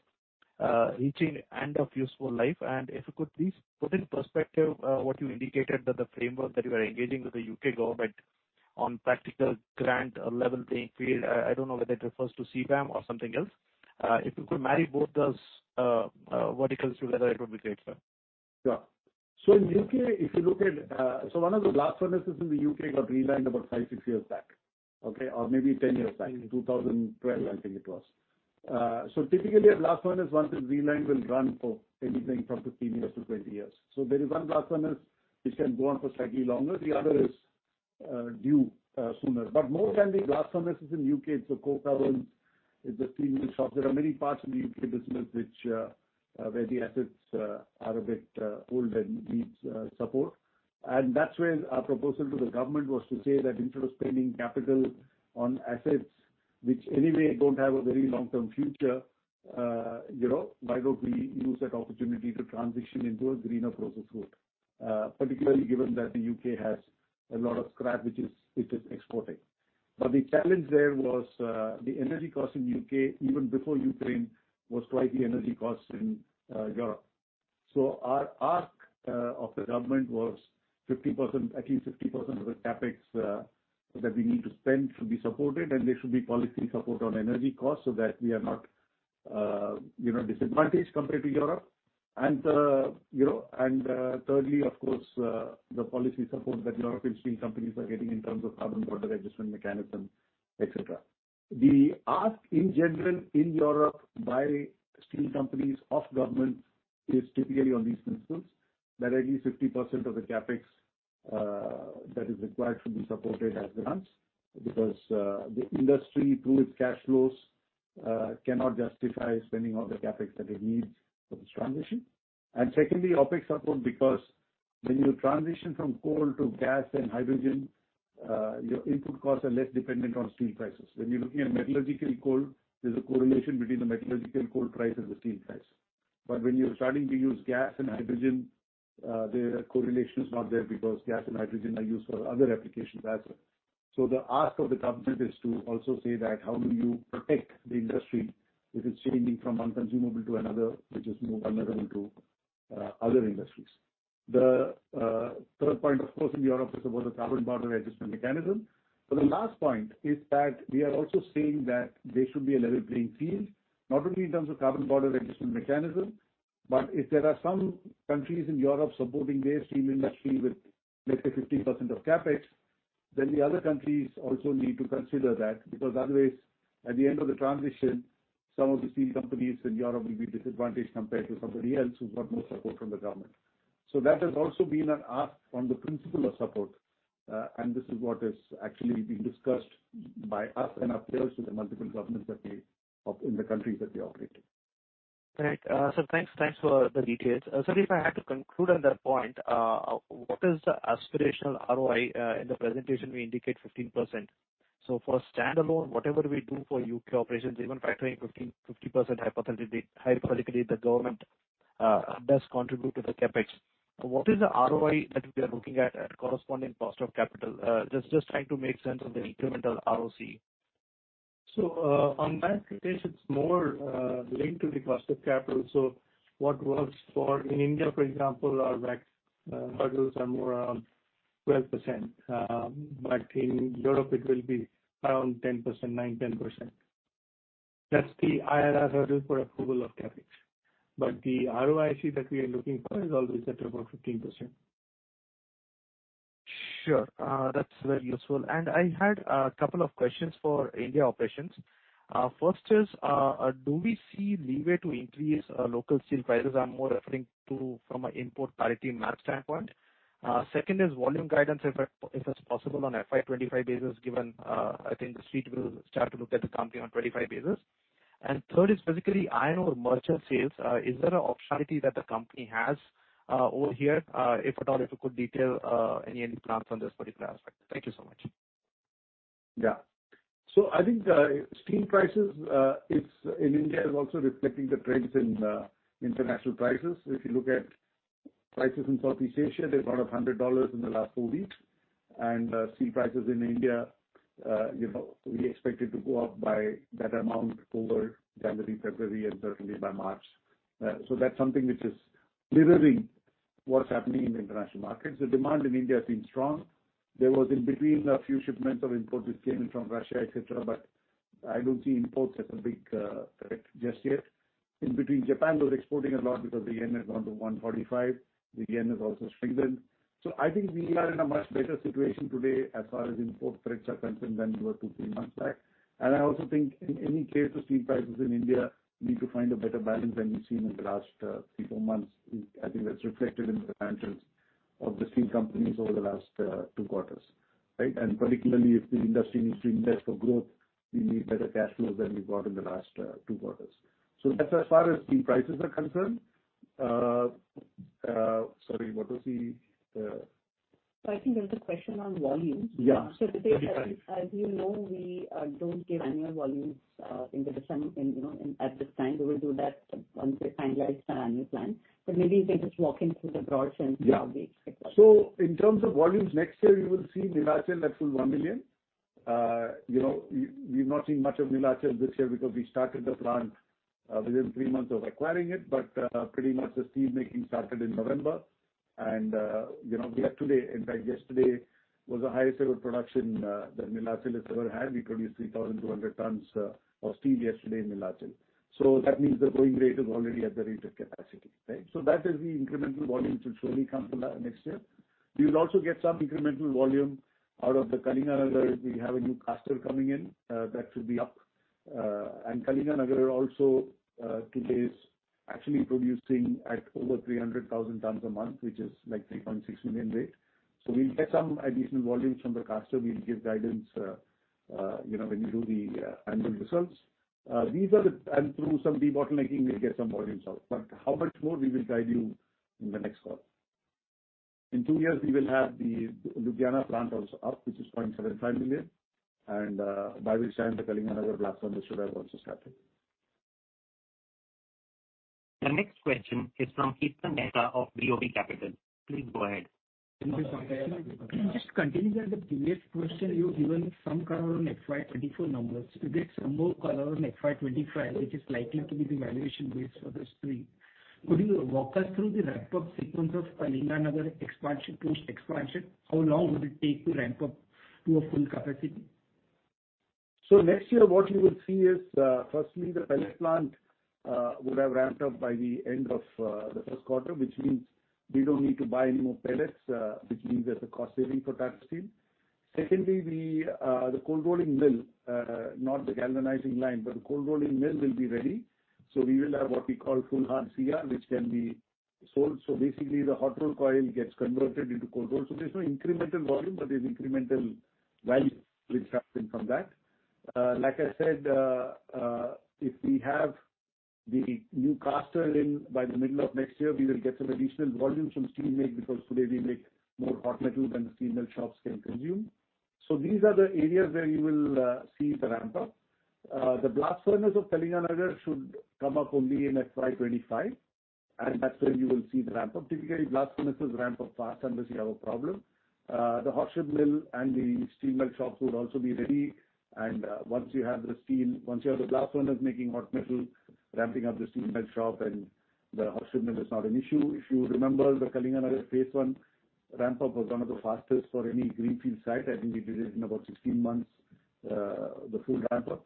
reaching end of useful life? If you could please put in perspective what you indicated that the framework that you are engaging with the UK government on practical grant level being created. I don't know whether it refers to CBAM or something else. If you could marry both those verticals together, it would be great, sir. Sure. In U.K. if you look at... One of the blast furnaces in the U.K. got relined about five, six years back, okay? Or maybe 10 years back. In 2012 I think it was. Typically a blast furnace once it's relined will run for anything from 15 years to 20 years. There is one blast furnace which can go on for slightly longer, the other is due sooner. More than the blast furnaces in the U.K., it's a coke ovens, it's a premium shop. There are many parts of the U.K. business which where the assets are a bit old and needs support. That's where our proposal to the government was to say that instead of spending capital on assets which anyway don't have a very long-term future, you know, why don't we use that opportunity to transition into a greener process route? Particularly given that the U.K. has a lot of scrap which is exporting. The challenge there was the energy cost in U.K. even before Ukraine was twice the energy cost in Europe. Our ask of the government was 50%, at least 50% of the CapEx that we need to spend should be supported and there should be policy support on energy costs so that we are not, you know, disadvantaged compared to Europe. You know, thirdly of course, the policy support that European steel companies are getting in terms of Carbon Border Adjustment Mechanism, et cetera. The ask in general in Europe by steel companies of government is typically on these principles, that at least 50% of the CapEx that is required should be supported as grants. Because the industry through its cash flows cannot justify spending all the CapEx that it needs for this transition. Secondly, OpEx support because when you transition from coal to gas and hydrogen, your input costs are less dependent on steel prices. When you're looking at metallurgical coal, there's a correlation between the metallurgical coal price and the steel price. When you're starting to use gas and hydrogen, the correlation is not there because gas and hydrogen are used for other applications as well. The ask of the government is to also say that how do you protect the industry if it's changing from one consumable to another which is more vulnerable to other industries. The third point of course in Europe is about the Carbon Border Adjustment Mechanism. The last point is that we are also saying that there should be a level playing field, not only in terms of Carbon Border Adjustment Mechanism, but if there are some countries in Europe supporting their steel industry with let's say 50% of CapEx, the other countries also need to consider that. Otherwise at the end of the transition, some of the steel companies in Europe will be disadvantaged compared to somebody else who got more support from the government. That has also been an ask on the principle of support, and this is what is actually being discussed by us and our peers with the multiple governments in the countries that we operate in. Right. Sir, thanks. Thanks for the details. Sir, if I had to conclude on that point, what is the aspirational ROI? In the presentation we indicate 15%. For standalone, whatever we do for UK operations, even factoring 50% hypothetically the government does contribute to the CapEx. What is the ROI that we are looking at corresponding cost of capital? Just trying to make sense of the incremental ROC. On that case it's more linked to the cost of capital. What works for in India for example our WACC hurdles are more around 12%. In Europe it will be around 10%, 9%-10%. That's the IRR hurdle for approval of CapEx. The ROIC that we are looking for is always at above 15%. Sure. That's very useful. I had a couple of questions for India operations. First is, do we see leeway to increase local steel prices? I'm more referring to from an import parity map standpoint. Second is volume guidance if it's possible on FY 25 basis given I think the street will start to look at the company on 25 basis. Third is specifically iron ore merchant sales. Is there a optionality that the company has over here? If at all, if you could detail any plans on this particular aspect. Thank you so much. Yeah. I think the steel prices, it's in India is also reflecting the trends in international prices. If you look at prices in Southeast Asia, they've gone up $100 in the last four weeks. Steel prices in India, you know, we expect it to go up by that amount over January, February and certainly by March. That's something which is mirroring what's happening in international markets. The demand in India has been strong. There was in between a few shipments of import which came in from Russia, et cetera, I don't see imports as a big threat just yet. In between, Japan was exporting a lot because the yen has gone to 145. The yen has also strengthened. I think we are in a much better situation today as far as import threats are concerned than we were two, three months back. I also think in any case, the steel prices in India need to find a better balance than we've seen in the last, three, four months. I think that's reflected in the financials of the steel companies over the last, two quarters, right? Particularly if the industry needs to invest for growth, we need better cash flows than we've got in the last, two quarters. That's as far as steel prices are concerned. Sorry, what was the...? I think there was a question on volumes. Yeah. Today, as you know, we don't give annual volumes in the December at this time. We will do that once we finalize our annual plan. Maybe if you can just walk in through the broad sense of the. Yeah. In terms of volumes next year, you will see Neelachal at full 1 million. You know, we've not seen much of Neelachal this year because we started the plant within three months of acquiring it. Pretty much the steel making started in November. You know, we have today, in fact, yesterday was the highest ever production that Neelachal has ever had. We produced 3,200 tons of steel yesterday in Neelachal. That means the going rate is already at the rate of capacity, right? That is the incremental volume should slowly come to that next year. We will also get some incremental volume out of the Kalinganagar. We have a new caster coming in that should be up. Kalinganagar also, today is actually producing at over 300,000 tons a month, which is like 3.6 million tons rate. We'll get some additional volumes from the caster. We'll give guidance, you know, when we do the annual results. Through some debottlenecking, we'll get some volumes out. How much more we will guide you in the next call. In two years, we will have the Ludhiana plant also up, which is 0.75 million tons. By which time the Kalinganagar blast furnace should have also started. The next question is from Hiten Mehta of BOB Capital. Please go ahead. Thank you. Yes. Just continuing on the previous question, you've given some color on FY 2024 numbers. Could you give some more color on FY 2025, which is likely to be the valuation base for the stream? Could you walk us through the ramp-up sequence of Kalinganagar expansion post-expansion? How long would it take to ramp up to a full capacity? Next year what you will see is, firstly, the pellet plant would have ramped up by the end of the first quarter, which means we don't need to buy any more pellets, which means there's a cost saving for Tata Steel. Secondly, the cold rolling mill, not the galvanizing line, but the cold rolling mill will be ready. We will have what we call full hard CR, which can be sold. Basically, the hot roll coil gets converted into cold roll. There's no incremental volume, but there's incremental value which comes in from that. Like I said, if we have the new caster in by the middle of next year, we will get some additional volume from steel make because today we make more hot metal than the steel mill shops can consume. These are the areas where you will see the ramp up. The blast furnace of Kalinganagar should come up only in FY 2025, and that's when you will see the ramp up. Typically, blast furnaces ramp up fast unless you have a problem. The hot strip mill and the steel mill shops would also be ready. Once you have the blast furnace making hot metal, ramping up the steel mill shop and the hot strip mill is not an issue. If you remember, the Kalinganagar phase one ramp up was one of the fastest for any greenfield site. I think we did it in about 16 months, the full ramp up.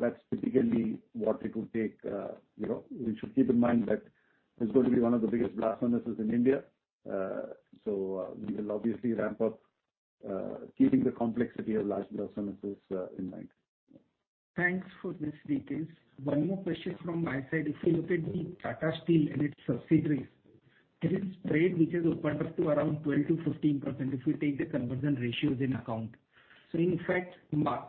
That's typically what it could take. You know, we should keep in mind that it's going to be one of the biggest blast furnaces in India. We will obviously ramp up, keeping the complexity of large blast furnaces, in mind. Thanks for these details. One more question from my side. If you look at the Tata Steel and its subsidiaries, there is trade which has opened up to around 12% to 15% if you take the conversion ratios in account. In fact,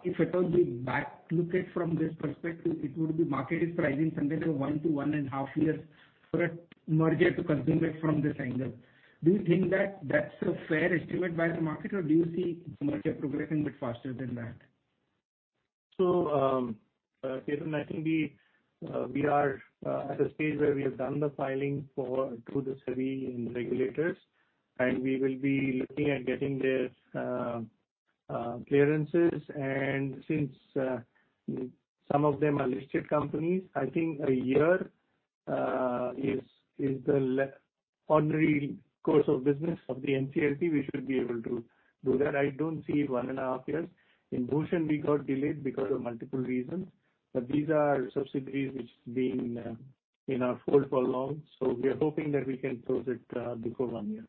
if at all we back look it from this perspective, it would be market is pricing something like 1-1.5 years for a merger to consummate from this angle. Do you think that that's a fair estimate by the market, or do you see the merger progressing bit faster than that? Hiten, I think we are at a stage where we have done the filing through the SEBI and regulators, and we will be looking at getting their clearances. Since some of them are listed companies, I think a year is the ordinary course of business of the NCLT, we should be able to do that. I don't see 1.5 years. In Bhushan, we got delayed because of multiple reasons. These are subsidiaries which have been in our fold for long. We are hoping that we can close it before one year.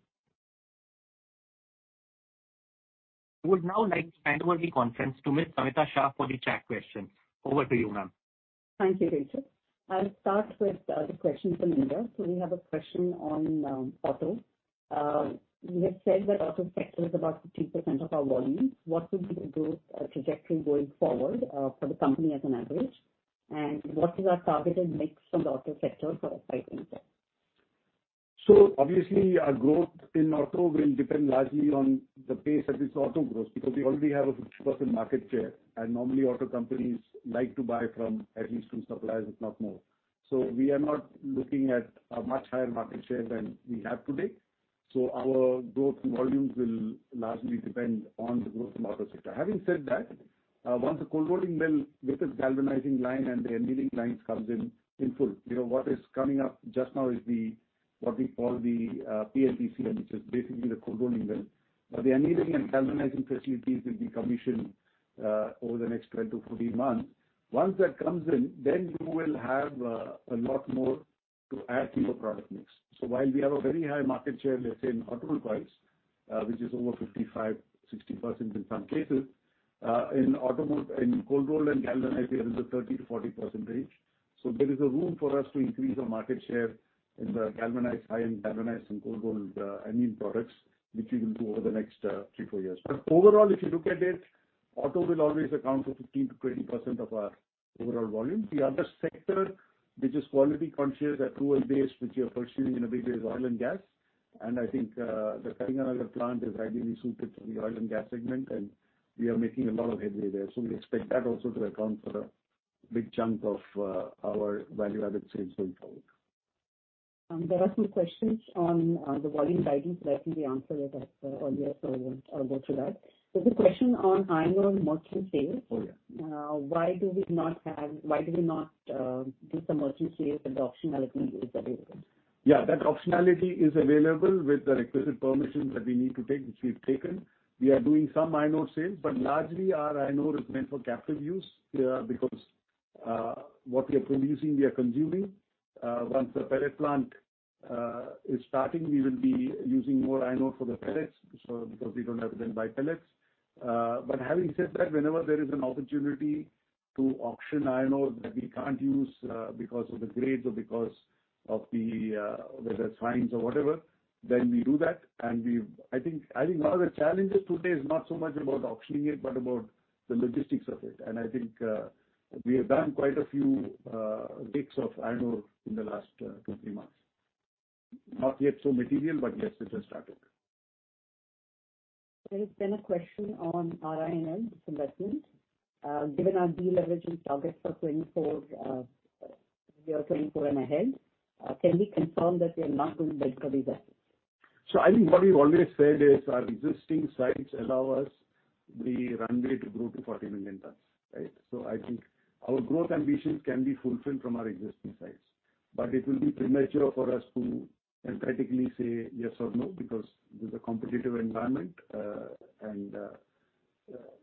I would now like to hand over the conference to Ms. Samita Shah for the chat questions. Over to you, ma'am. Thank you, Hitesh. I'll start with the questions on India. We have a question on auto. You had said that auto sector is about 15% of our volume. What would be the growth trajectory going forward for the company as an average? What is our targeted mix on the auto sector for FY 2025? Obviously our growth in auto will depend largely on the pace at which auto grows because we already have a 50% market share and normally auto companies like to buy from at least two suppliers, if not more. We are not looking at a much higher market share than we have today. Our growth in volumes will largely depend on the growth in auto sector. Having said that, once the cold rolling mill with its galvanizing line and the annealing lines comes in in full, you know, what is coming up just now is the, what we call the Kalinganagar, which is basically the cold rolling mill. The annealing and galvanizing facilities will be commissioned over the next 12-14 months. Once that comes in, you will have a lot more to add to your product mix. While we have a very high market share, let's say, in automobile coils, which is over 55%, 60% in some cases, in cold roll and galvanized, we are in the 30%-40% range. There is a room for us to increase our market share in the galvanized, high-end galvanized and cold rolled, and in products which we will do over the next three, four years. Overall, if you look at it, auto will always account for 15%-20% of our overall volume. The other sector which is quality conscious that tool-based which we are pursuing in a big way is oil and gas. I think the Kalinganagar plant is ideally suited for the oil and gas segment, and we are making a lot of headway there. We expect that also to account for a big chunk of our value-added sales going forward. There are some questions on the volume guidance that I think we answered it earlier, so I won't go through that. There's a question on iron ore merchant sales. Oh, yeah. Why do we not do some merchant sales if the optionality is available? That optionality is available with the requisite permissions that we need to take, which we've taken. We are doing some iron ore sales, but largely our iron ore is meant for captive use, because what we are producing, we are consuming. Once the pellet plant is starting, we will be using more iron ore for the pellets so because we don't have to then buy pellets. But having said that, whenever there is an opportunity to auction iron ore that we can't use, because of the grades or because of the, whether it's fines or whatever, then we do that. I think one of the challenges today is not so much about auctioning it, but about the logistics of it. I think, we have done quite a few gigs of iron ore in the last 20 months. Not yet so material, but yes, it has started. There has been a question on RINL disinvestment. Given our deleveraging target for 2024, year 2024 and ahead, can we confirm that we are not doing that for these assets? I think what we've always said is our existing sites allow us the runway to grow to 40 million tons, right? I think our growth ambitions can be fulfilled from our existing sites. It will be premature for us to emphatically say yes or no because this is a competitive environment.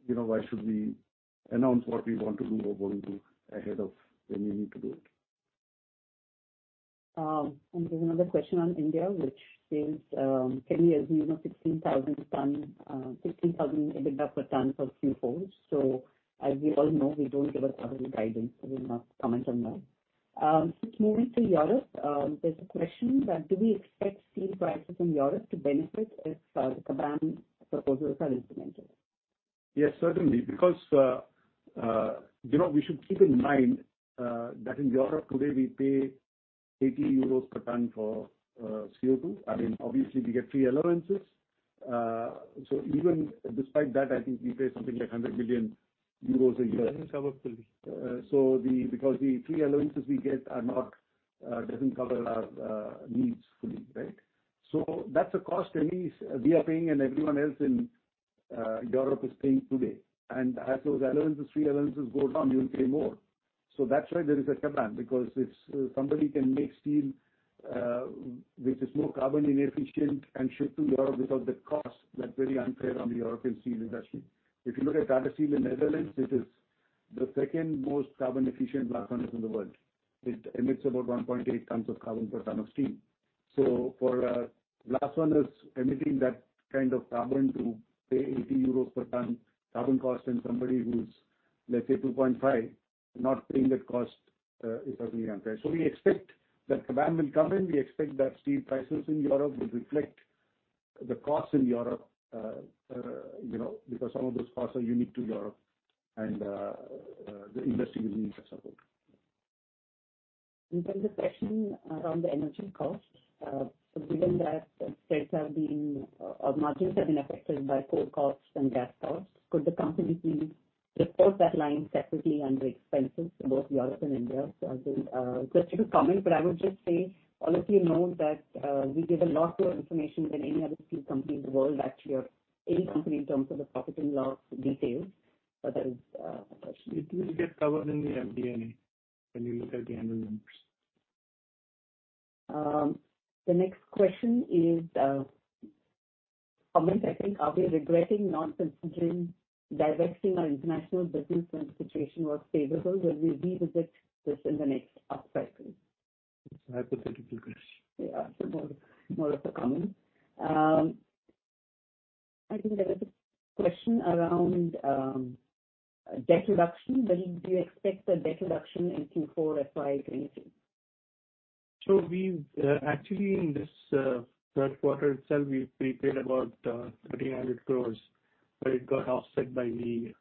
You know, why should we announce what we want to do or won't do ahead of when we need to do it? There's another question on India, which is, can you give us, you know, 16,000 ton, 16,000 EBITDA per ton for Q4? As you all know, we don't give out quarterly guidance. We will not comment on that. Moving to Europe, there's a question that do we expect steel prices in Europe to benefit if the CBAM proposals are implemented? Yes, certainly. Because, you know, we should keep in mind that in Europe today we pay 80 euros per ton for CO2. I mean, obviously we get free allowances. Even despite that, I think we pay something like 100 million euros a year. Doesn't cover fully. Because the free allowances we get are not, doesn't cover our needs fully, right? That's a cost at least we are paying and everyone else in Europe is paying today. As those allowances, free allowances go down, you'll pay more. That's why there is a CBAM, because if somebody can make steel, which is more carbon inefficient and ship to Europe because the cost, that's very unfair on the European steel industry. If you look at Tata Steel in Netherlands, it is the second most carbon efficient blast furnace in the world. It emits about 1.8 tons of carbon per ton of steel. For a blast furnace emitting that kind of carbon to pay 80 euros per ton carbon cost and somebody who's, let's say, 2.5 not paying that cost, is certainly unfair. We expect that CBAM will come in. We expect that steel prices in Europe will reflect the costs in Europe, you know, because some of those costs are unique to Europe and the industry will need that support. Then the question around the energy costs. Given that the states have been, or margins have been affected by coal costs and gas costs, could the company please report that line separately under expenses for both Europe and India? I think, just to comment, but I would just say all of you know that, we give a lot more information than any other steel company in the world actually or any company in terms of the profit and loss details. That is, a question. It will get covered in the MD&A when you look at the annual numbers. The next question is, comment I think. Are we regretting not considering divesting our international business when situation was favorable? Will we revisit this in the next upcycle? It's a hypothetical question. Yeah. More of a comment. I think there is a question around debt reduction. When do you expect the debt reduction in Q4 or FY '23? We've actually in this third quarter itself, we've prepaid about 3,000 crore, but it got offset by the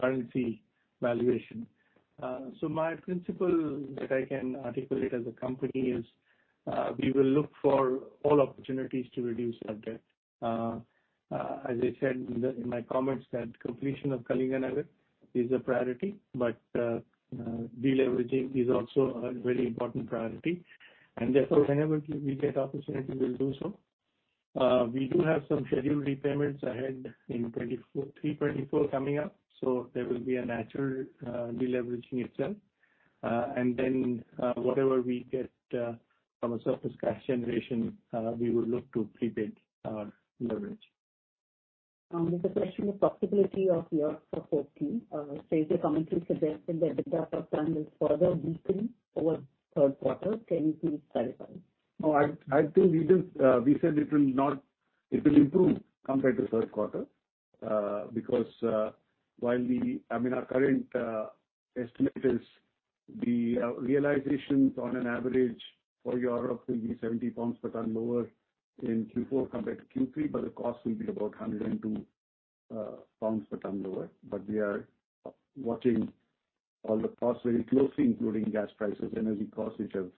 currency valuation. My principle that I can articulate as a company is we will look for all opportunities to reduce our debt. As I said in my comments that completion of Kalinganagar is a priority, but deleveraging is also a very important priority. Whenever we get opportunity, we'll do so. We do have some scheduled repayments ahead in 2024, Q3 2024 coming up. There will be a natural deleveraging itself. Whatever we get from a surplus cash generation, we will look to prepay our leverage. With the question of possibility of Europe for 14, your commentary suggested that the data for plan will further weaken over third quarter. Can you please clarify? I think we said it will improve compared to third quarter because while I mean, our current estimate is the realizations on an average for Europe will be 70 pounds per ton lower in Q4 compared to Q3, but the cost will be about 102 pounds per ton lower. We are watching all the costs very closely, including gas prices, energy costs, which have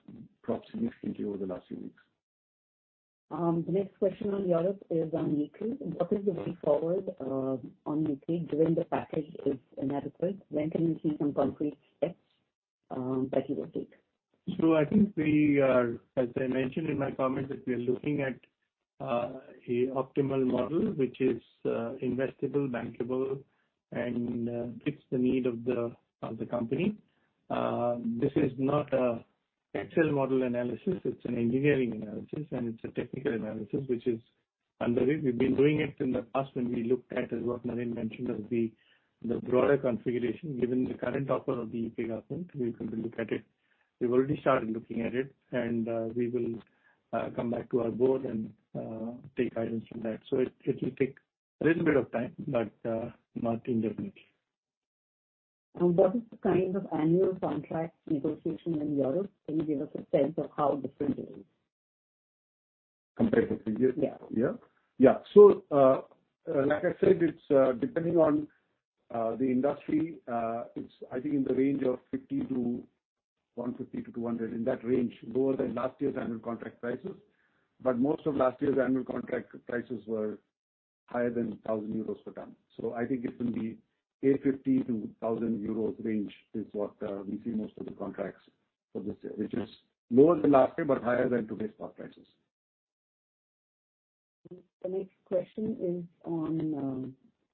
dropped significantly over the last few weeks. The next question on Europe is on U.K. What is the way forward on U.K. given the package is inadequate? When can we see some concrete steps that you will take? I think we are, as I mentioned in my comments, that we are looking at, a optimal model which is, investable, bankable and fits the need of the company. This is not a Excel model analysis, it's an engineering analysis, and it's a technical analysis which is underway. We've been doing it in the past when we looked at, as what Naren mentioned, as the broader configuration. Given the current offer of the UK government, we will look at it. We've already started looking at it, and, we will, come back to our board and take guidance from that. It will take a little bit of time, but not indefinitely. What is the kind of annual contract negotiation in Europe? Can you give us a sense of how different it is? Compared to previous? Yeah. Yeah. Yeah. Like I said, it's depending on the industry, it's I think in the range of 50 to 150 to 200, in that range, lower than last year's annual contract prices. Most of last year's annual contract prices were higher than 1,000 euros per ton. I think it will be 850-1,000 euros range is what we see most of the contracts for this year, which is lower than last year but higher than today's spot prices. The next question is on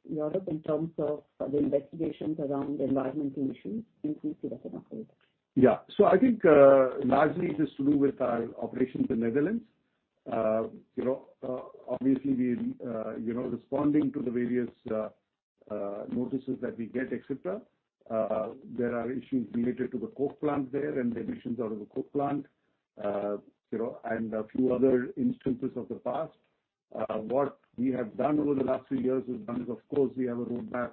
Europe in terms of the investigations around environmental issues. Can you please shed us some light? I think, largely it is to do with our operations in Netherlands. you know, obviously we, you know, responding to the various notices that we get, et cetera. There are issues related to the coke plant there and the emissions out of the coke plant. you know, and a few other instances of the past. What we have done over the last few years is, one, is of course we have a roadmap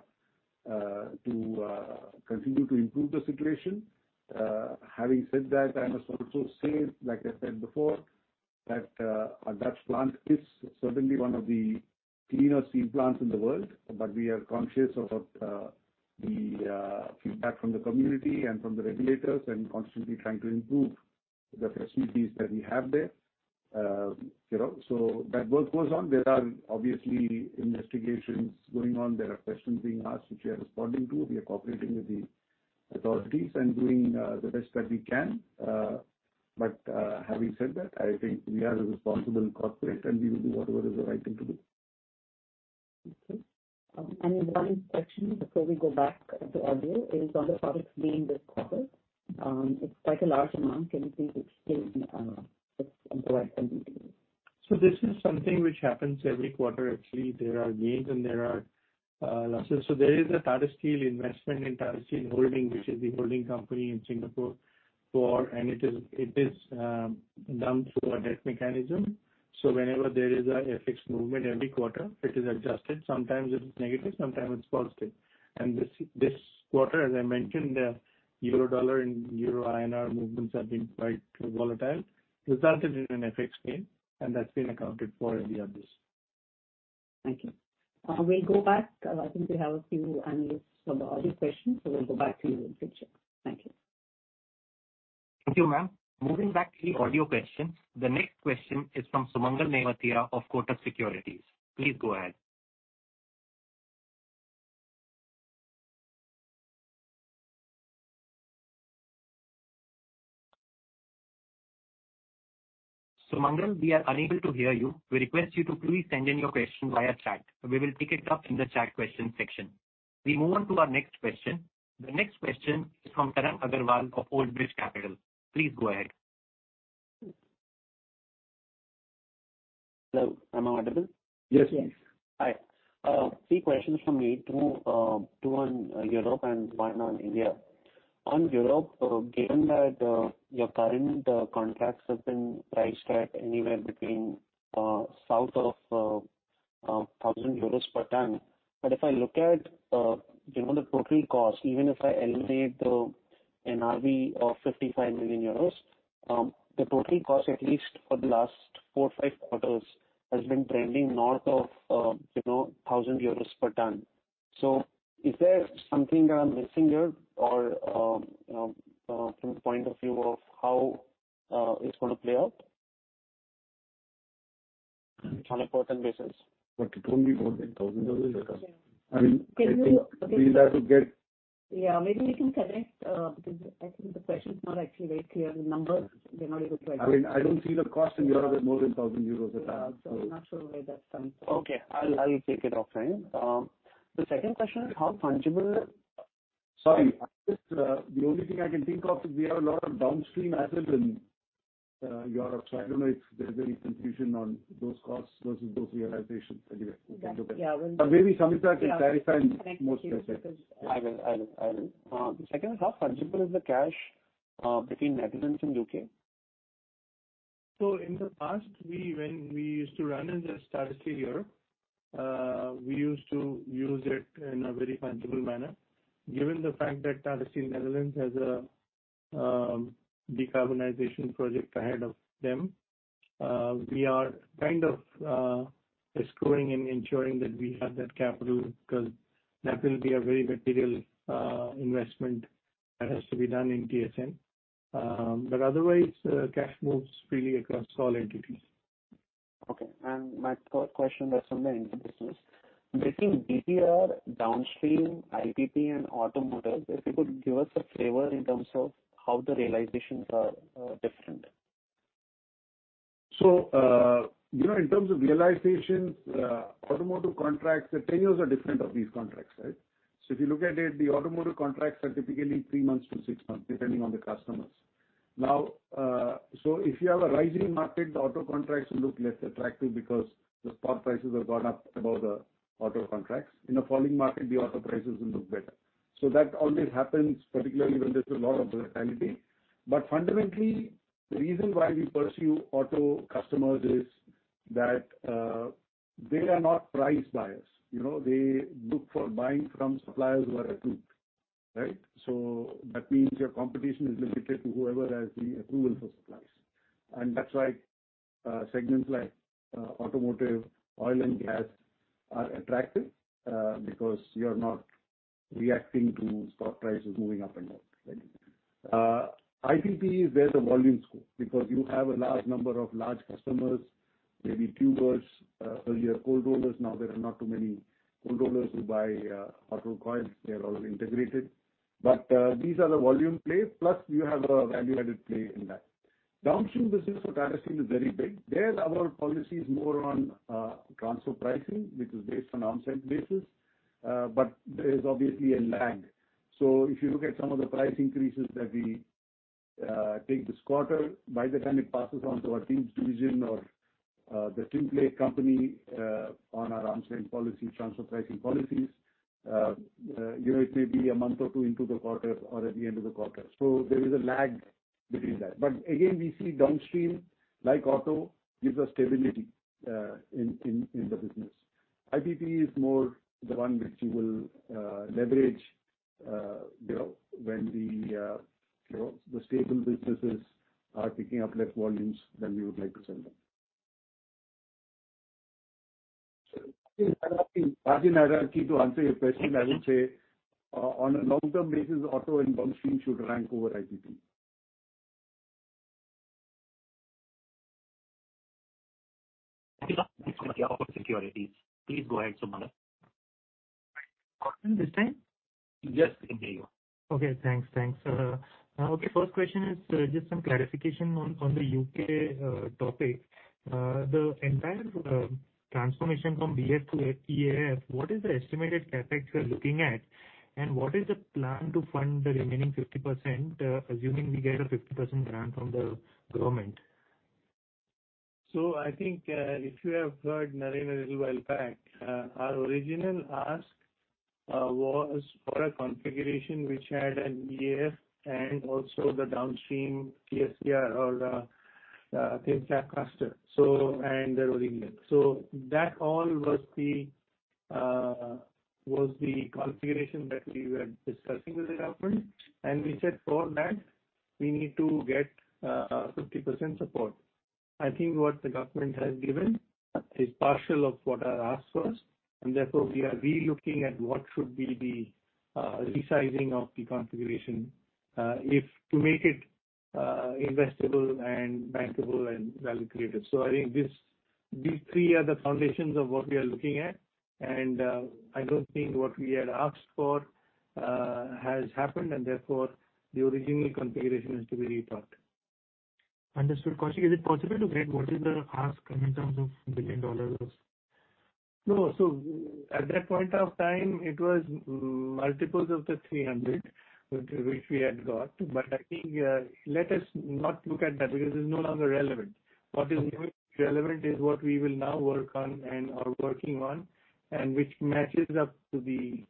to continue to improve the situation. Having said that, I must also say, like I said before, that our Dutch plant is certainly one of the cleanest steel plants in the world. We are conscious about the feedback from the community and from the regulators and constantly trying to improve the facilities that we have there. You know, that work goes on. There are obviously investigations going on. There are questions being asked which we are responding to. We are cooperating with the authorities and doing the best that we can. Having said that, I think we are a responsible corporate and we will do whatever is the right thing to do. Okay. One question before we go back to audio is on the products gain this quarter. It's quite a large amount. Can you please explain its impact on EBITDA? This is something which happens every quarter actually. There are gains and there are losses. There is a Tata Steel investment in Tata Steel Holdings, which is the holding company in Singapore for. It is done through a debt mechanism. Whenever there is a FX movement every quarter, it is adjusted. Sometimes it's negative, sometimes it's positive. This quarter, as I mentioned, euro dollar and Euro INR movements have been quite volatile, resulted in an FX gain and that's been accounted for in the earnings. Thank you. We'll go back. I think we have a few analysts for the audio questions. We'll go back to you in future. Thank you. Thank you, ma'am. Moving back to the audio questions. The next question is from Sumangal Nevatia of Kotak Securities. Please go ahead. Sumangal, we are unable to hear you. We request you to please send in your question via chat. We will take it up in the chat question section. We move on to our next question. The next question is from Tarang Agrawal of Old Bridge Capital Management. Please go ahead. Hello, am I audible? Yes. Yes. Hi. Three questions from me. Two on Europe and one on India. On Europe, given that your current contracts have been priced at anywhere between south of 1,000 euros per ton. If I look at, you know, the total cost, even if I eliminate the NRV of 55 million euros, the total cost, at least for the last four, five quarters, has been trending north of, you know, 1,000 euros per ton. Is there something that I'm missing here or from the point of view of how it's gonna play out on a % basis? It's only more than EUR 1,000 a ton. Yeah. I mean- Can you- We'll have to get-. Maybe we can connect because I think the question is not actually very clear. The numbers, we're not able to identify. I mean, I don't see the cost in Europe at more than 1,000 euros a ton. Yeah. I'm not sure where that's coming from. Okay. I'll take it offline. The second question is how tangible Sorry. I just, the only thing I can think of is we have a lot of downstream assets in Europe. I don't know if there's any confusion on those costs versus those realizations. Anyway, we'll think about it. Yeah. maybe Samita can clarify more specifically. I will. Second, how fungible is the cash between Netherlands and U.K.? In the past, we when we used to run as a Tata Steel Europe, we used to use it in a very fungible manner. Given the fact that Tata Steel Netherlands has a decarbonization project ahead of them, we are kind of escrowing and ensuring that we have that capital because that will be a very material investment that has to be done in TSN. Otherwise cash moves freely across all entities. Okay. My third question was on the end business. Between DPR, downstream, IPP and automotive, if you could give us a flavor in terms of how the realizations are different. You know, in terms of realizations, automotive contracts, the tenures are different of these contracts, right? If you look at it, the automotive contracts are typically three months to six months, depending on the customers. Now, if you have a rising market, the auto contracts look less attractive because the spot prices have gone up above the auto contracts. In a falling market, the auto prices will look better. That always happens, particularly when there's a lot of volatility. Fundamentally, the reason why we pursue auto customers is that they are not price buyers. You know, they look for buying from suppliers who are approved, right? That means your competition is limited to whoever has the approval for supplies. That's why, segments like automotive, oil and gas are attractive because you're not reacting to stock prices moving up and down. IPP is where the volumes go because you have a large number of large customers, maybe tubers, earlier cold rollers. Now, there are not too many cold rollers who buy auto coils. They are all integrated. These are the volume plays, plus you have a value-added play in that. Downstream business for Tata Steel is very big. There our policy is more on transfer pricing, which is based on on-site basis, but there is obviously a lag. If you look at some of the price increases that we take this quarter, by the time it passes on to our teams division or the template company, on our on-site policy, transfer pricing policies, you know, it may be one or two into the quarter or at the end of the quarter. There is a lag between that. Again, we see downstream like auto gives us stability in the business. IPP is more the one which you will leverage, you know, when the, you know, the stable businesses are picking up less volumes than we would like to sell them. Margin hierarchy. Margin hierarchy to answer your question, I would say on a long-term basis, auto and downstream should rank over IPP. Please go ahead, Sumangal. Sumanta this time? Yes. I can hear you. Okay, thanks. Thanks. Okay, first question is just some clarification on the UK topic. The entire transformation from BF to EAF, what is the estimated CapEx we are looking at? What is the plan to fund the remaining 50%, assuming we get a 50% grant from the government? I think, if you have heard Naren a little while back, our original ask, was for a configuration which had an EAF and also the downstream TSCR or the thin slab caster. They were in it. That all was the configuration that we were discussing with the government. We said for that we need to get a 50% support. I think what the government has given is partial of what our ask was, and therefore we are re-looking at what should be the resizing of the configuration, if to make it, investable and bankable and value creative. I think these three are the foundations of what we are looking at. I don't think what we had asked for, has happened and therefore the original configuration is to be rethought. Understood. Koushik, is it possible to get what is the ask in terms of billion dollars? No. At that point of time, it was multiples of the 300 which we had got. I think, let us not look at that because it's no longer relevant. What is relevant is what we will now work on and are working on and which matches up to the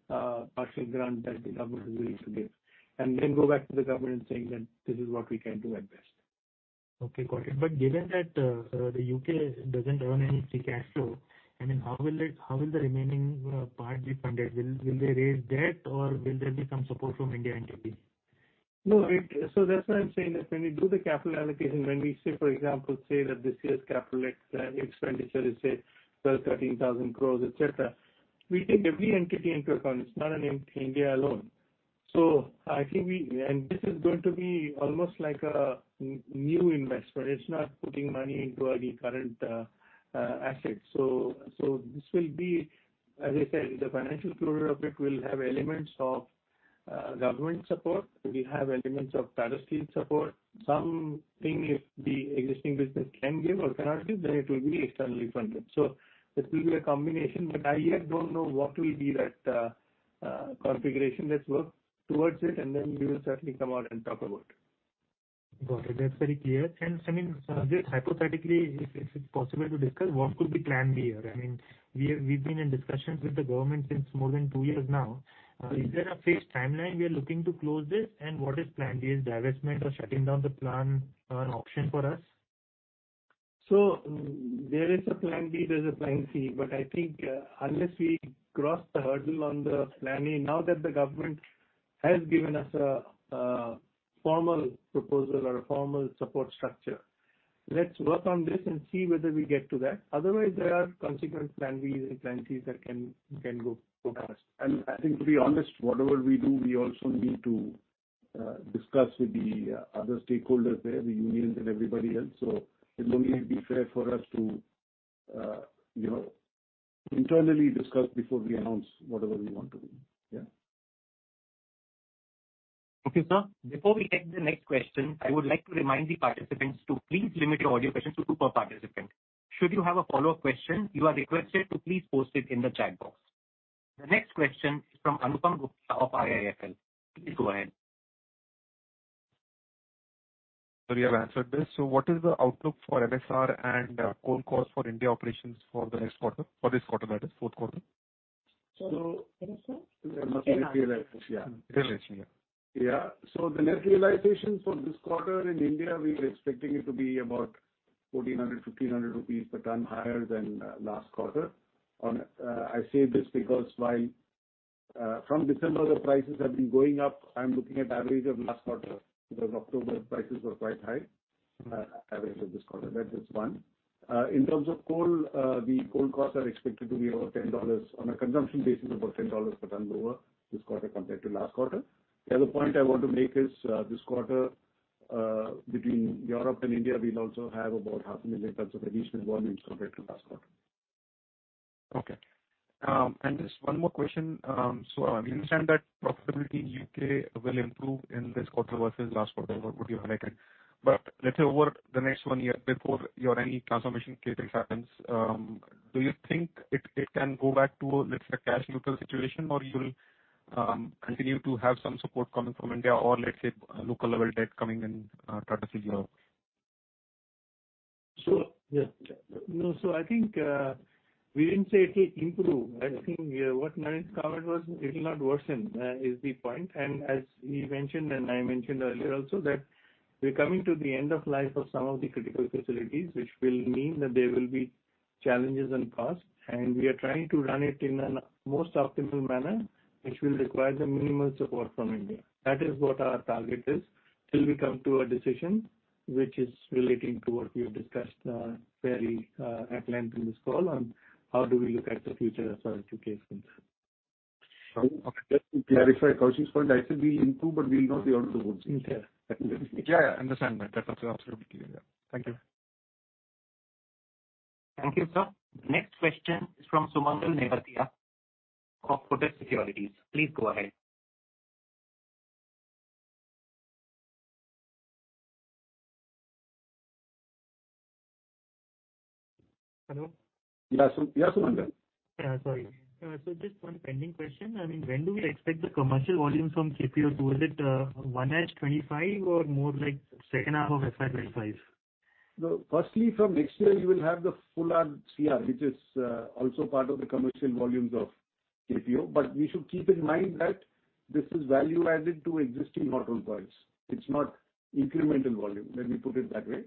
partial grant that the government is willing to give. Go back to the government saying that this is what we can do at best. Okay, got it. Given that, the U.K. doesn't earn any free cash flow, I mean how will the remaining part be funded? Will they raise debt or will there be some support from India entity? No. That's why I'm saying that when we do the capital allocation, when we say for example say that this year's capital expenditure is say 12,000-13,000 crores, et cetera, we take every entity into account. It's not an India alone. I think we... This is going to be almost like a new investment. It's not putting money into any current assets. This will be, as I said, the financial closure of it will have elements of government support. We have elements of Tata Steel support. Something if the existing business can give or cannot give, then it will be externally funded. This will be a combination, but I yet don't know what will be that configuration. Let's work towards it and then we will certainly come out and talk about it. Got it. That's very clear. I mean, just hypothetically, if it's possible to discuss, what could be plan B here? I mean, we've been in discussions with the government since more than two years now. Is there a fixed timeline we are looking to close this? What is plan B? Is divestment or shutting down the plan an option for us? There is a plan B, there's a plan C, but I think, unless we cross the hurdle on the plan A, now that the government has given us a formal proposal or a formal support structure, let's work on this and see whether we get to that. Otherwise, there are consequent plan Bs and plan Cs that can go past. I think to be honest, whatever we do, we also need to discuss with the other stakeholders there, the unions and everybody else. It'll only be fair for us to, you know, internally discuss before we announce whatever we want to do. Yeah. Okay, sir. Before we take the next question, I would like to remind the participants to please limit your audio questions to two per participant. Should you have a follow-up question, you are requested to please post it in the chat box. The next question is from Anupam Gupta of IIFL. Please go ahead. You have answered this. What is the outlook for LSR and coal cost for India operations for the next quarter, for this quarter that is, fourth quarter? It must be realization. Yeah. Realization, yeah. The net realization for this quarter in India, we're expecting it to be about 1,400-1,500 rupees per ton higher than last quarter. I say this because while from December the prices have been going up, I'm looking at average of last quarter, because October prices were quite high, average of this quarter. That is one. In terms of coal, the coal costs are expected to be over $10 on a consumption basis, about $10 per ton lower this quarter compared to last quarter. The other point I want to make is, this quarter, between Europe and India, we'll also have about 500,000 tons of additional volumes compared to last quarter. Okay. Just one more question. I understand that profitability in U.K. will improve in this quarter versus last quarter, what you have highlighted. Let's say over the next one year before your any transformation cases happens, do you think it can go back to, let's say, cash neutral situation or you'll continue to have some support coming from India or let's say local level debt coming in to sort of figure out? Yeah. No. I think we didn't say it will improve. I think what Naren covered was it will not worsen is the point. As he mentioned, and I mentioned earlier also that we're coming to the end of life of some of the critical facilities, which will mean that there will be challenges and costs, and we are trying to run it in a most optimal manner, which will require the minimal support from India. That is what our target is till we come to a decision which is relating to what we have discussed fairly at length in this call on how do we look at the future of our two cases. Just to clarify Koushik's point, I said we improve, but we'll not be out of the woods. Yeah. That's what I said. Yeah, understand that. That's absolutely clear. Yeah. Thank you. Thank you, sir. Next question is from Sumangal Nevatia of Kotak Securities. Please go ahead. Hello? Yeah, Sumangal. Yeah, sorry. Just one pending question. I mean, when do we expect the commercial volumes from KPO to visit, one at 25 or more like second half of FY 2025? No. Firstly, from next year you will have the full RCR, which is also part of the commercial volumes of KPO. We should keep in mind that this is value added to existing hotel points. It's not incremental volume. Let me put it that way.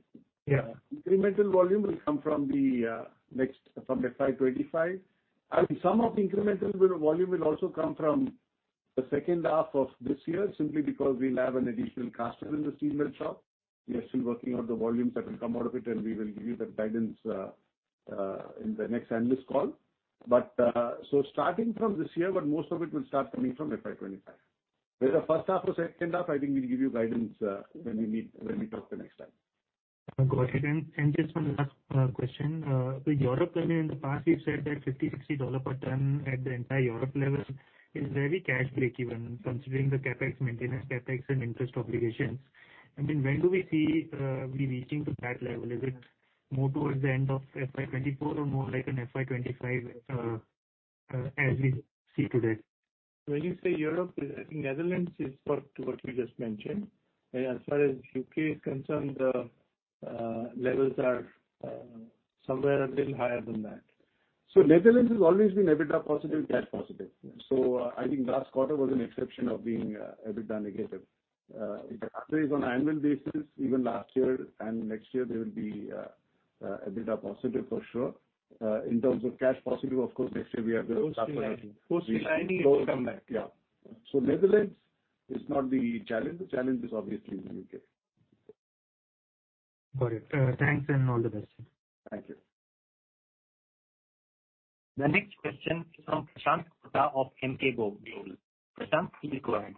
Yeah. Incremental volume will come from the from FY 25. Some of the incremental volume will also come from the second half of this year simply because we'll have an additional customer in the steel mill shop. We are still working out the volumes that will come out of it, and we will give you the guidance in the next analyst call. Starting from this year, but most of it will start coming from FY 25. Whether first half or second half, I think we'll give you guidance when we meet, when we talk the next time. Got it. Just one last question. Europe, I mean, in the past you've said that $50-$60 per ton at the entire Europe level is very cash break even considering the CapEx, maintenance CapEx and interest obligations. I mean, when do we see we reaching to that level? Is it more towards the end of FY24 or more like in FY25 as we see today? When you say Europe, I think Netherlands is for to what you just mentioned. As far as UK is concerned, levels are somewhere a little higher than that. Netherlands has always been EBITDA positive, cash positive. I think last quarter was an exception of being EBITDA negative. If the country is on annual basis, even last year and next year they will be EBITDA positive for sure. In terms of cash positive, of course next year we are gonna post nineteen. Yeah. Netherlands is not the challenge. The challenge is obviously in UK. Got it. Thanks and all the best. Thank you. The next question is from Prashanth Kota of Emkay Global. Prashanth, please go ahead.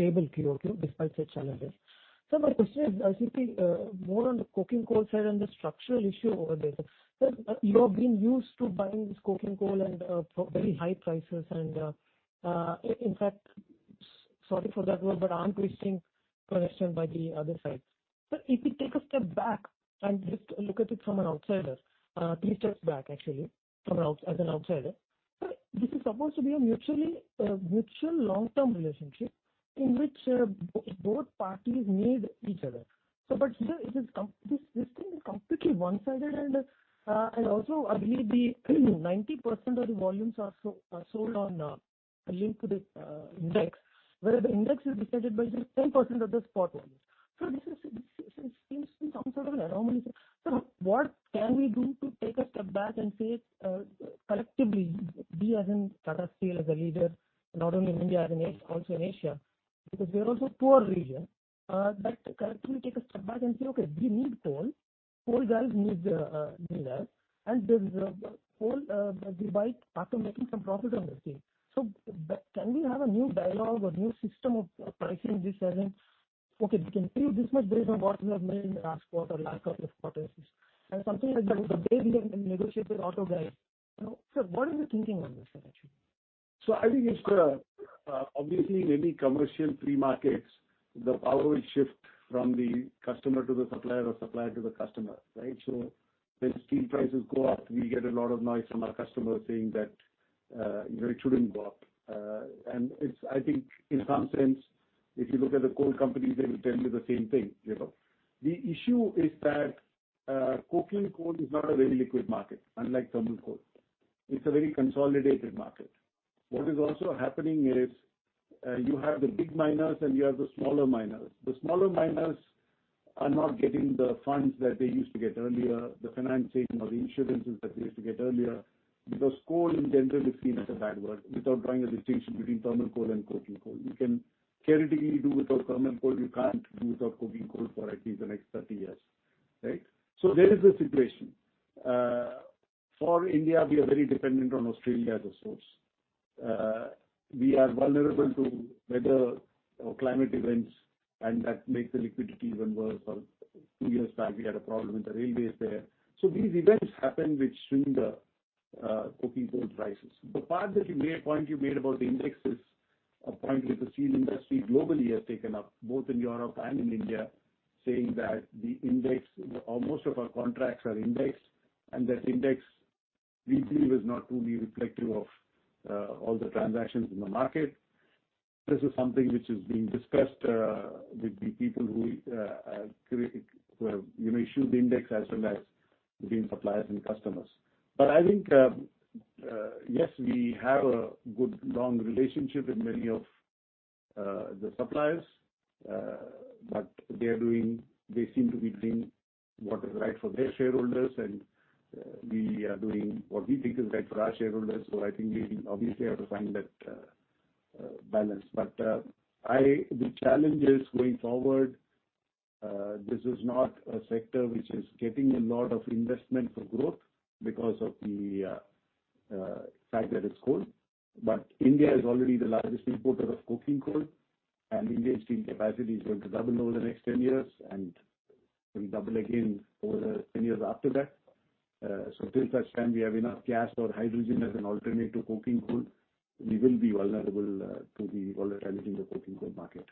Debt stable QOQ despite the challenges. My question is, I think, more on the coking coal side and the structural issue over there. You have been used to buying this coking coal and for very high prices and in fact Sorry for that word, but arm twisting question by the other side. Sir, if you take a step back and just look at it from an outsider, 3 steps back actually as an outsider. Sir, this is supposed to be a mutually mutual long-term relationship in which both parties need each other. Here it is. This thing is completely one-sided. Also I believe the 90% of the volumes are sold on, linked to the index. Where the index is decided by the 10% of the spot volumes. This seems to be some sort of an anomaly. What can we do to take a step back and say, collectively we as in Tata Steel, as a leader, not only in India, as in Asia, also in Asia, because we are also a poor region. To collectively take a step back and say, "Okay, we need coal. Coal guys need steelers. There's a coal, they buy after making some profit on the same." Can we have a new dialogue or new system of pricing this as in, "Okay, we can pay you this much based on what you have made in the last quarter, last couple of quarters." Something like that is a way we have been negotiating with auto guys. You know. Sir, what is your thinking on this actually? I think it's obviously in any commercial free markets, the power will shift from the customer to the supplier or supplier to the customer, right. When steel prices go up, we get a lot of noise from our customers saying that, you know, it shouldn't go up. I think in some sense, if you look at the coal companies, they will tell you the same thing, you know. The issue is that coking coal is not a very liquid market, unlike thermal coal. It's a very consolidated market. What is also happening is you have the big miners and you have the smaller miners. The smaller miners are not getting the funds that they used to get earlier, the financing or the insurances that they used to get earlier. Coal in general is seen as a bad word, without drawing a distinction between thermal coal and coking coal. You can theoretically do without thermal coal, you can't do without coking coal for at least the next 30 years, right? There is a situation. For India, we are very dependent on Australia as a source. We are vulnerable to weather or climate events, that makes the liquidity even worse. 2 years back we had a problem with the railways there. These events happen which swing the coking coal prices. The point you made about the indexes, a point which the steel industry globally has taken up, both in Europe and in India, saying that the index or most of our contracts are indexed. That index we feel is not truly reflective of all the transactions in the market. This is something which is being discussed with the people who create, you may issue the index as well as between suppliers and customers. I think, yes, we have a good long relationship with many of the suppliers. They seem to be doing what is right for their shareholders and we are doing what we think is right for our shareholders. I think we obviously have to find that balance. The challenge is going forward, this is not a sector which is getting a lot of investment for growth because of the fact that it's coal. India is already the largest importer of coking coal, and India's steel capacity is going to double over the next 10 years and will double again over the 10 years after that. Till such time we have enough gas or hydrogen as an alternative to coking coal, we will be vulnerable to the volatility in the coking coal market.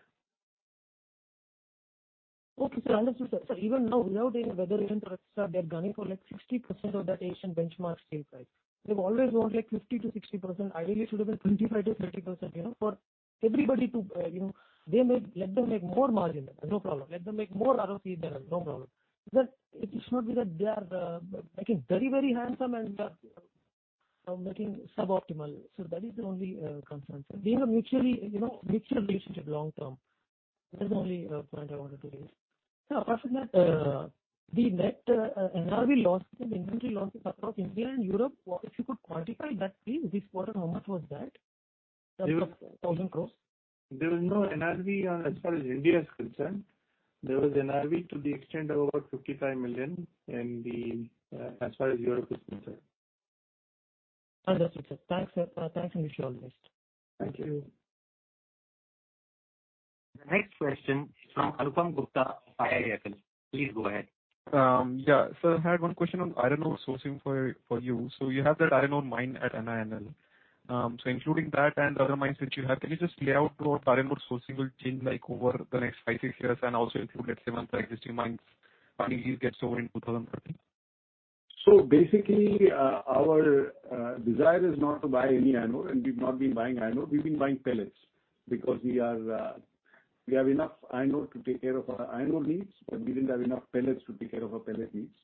Okay. Sir, understood. Sir, even now, without any weather event or et cetera, they're gunning for like 60% of that Asian benchmark steel price. They've always wanted 50%-60%. Ideally it should have been 25%-30%, you know, for everybody to, you know, let them make more margin. No problem. Let them make more ROC there. No problem. It should not be that they are making very, very handsome and making suboptimal. That is the only concern. We have a mutually, you know, mutual relationship long term. That's the only point I wanted to raise. Sir, apart from that, the net NRV losses and inventory losses across India and Europe, if you could quantify that, please. This quarter, how much was that? INR 1,000 crore. There was no NRV on as far as India is concerned. There was NRV to the extent of about 55 million in the as far as Europe is concerned. Understood, sir. Thanks, sir. Thanks and wish you all the best. Thank you. The next question is from Arpan Gupta of IIFL. Please go ahead. Yeah. Sir, I had one question on iron ore sourcing for you. You have that iron ore mine at NINL. Including that and the other mines which you have, can you just lay out how iron ore sourcing will change over the next five, six years? Also include, let's say, one to existing mines, how do these get sold in 2030? Basically, our desire is not to buy any iron ore, and we've not been buying iron ore. We've been buying pellets. We are, we have enough iron ore to take care of our iron ore needs, but we didn't have enough pellets to take care of our pellet needs.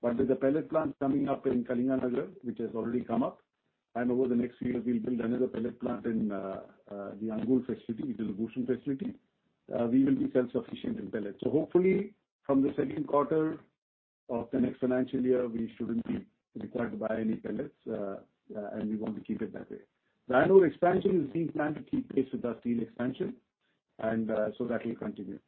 With the pellet plant coming up in Kalinganagar, which has already come up, and over the next few years we'll build another pellet plant in the Angul facility, which is a Bhushan facility, we will be self-sufficient in pellets. Hopefully from the second quarter of the next financial year we shouldn't be required to buy any pellets. We want to keep it that way. The annual expansion is being planned to keep pace with our steel expansion, that will continue.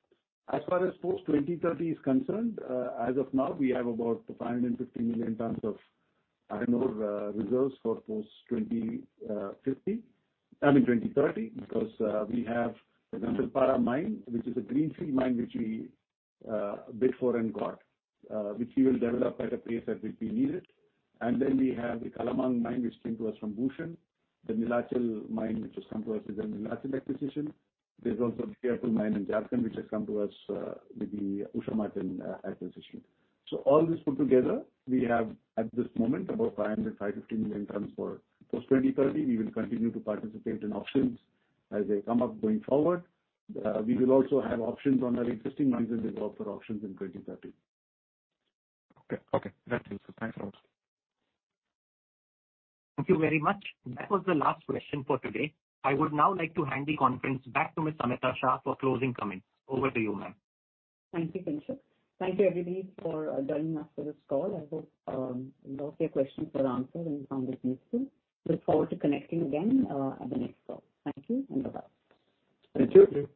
As far as post 2030 is concerned, as of now, we have about 550 million tons of iron ore reserves for post I mean 2030. We have the Gandhalpada mine, which is a greenfield mine which we bid for and got. Which we will develop at a pace that will be needed. We have the Kalamang mine which came to us from Bhushan. The Neelachal mine which has come to us with the Neelachal acquisition. There's also the Keonjhar mine in Jharkhand which has come to us with the Usha Martin acquisition. All this put together, we have at this moment about 500 to 550 million tons for post 2030. We will continue to participate in auctions as they come up going forward. We will also have auctions on our existing mines and bid out for auctions in 2030. Okay. Okay. That's it, sir. Thanks a lot. Thank you very much. That was the last question for today. I would now like to hand the conference back to Miss Samita Shah for closing comments. Over to you, ma'am. Thank you, Kinshuk. Thank you everybody for joining us for this call. I hope you got your questions were answered and found it useful. Look forward to connecting again at the next call. Thank you and bye-bye. Thank you.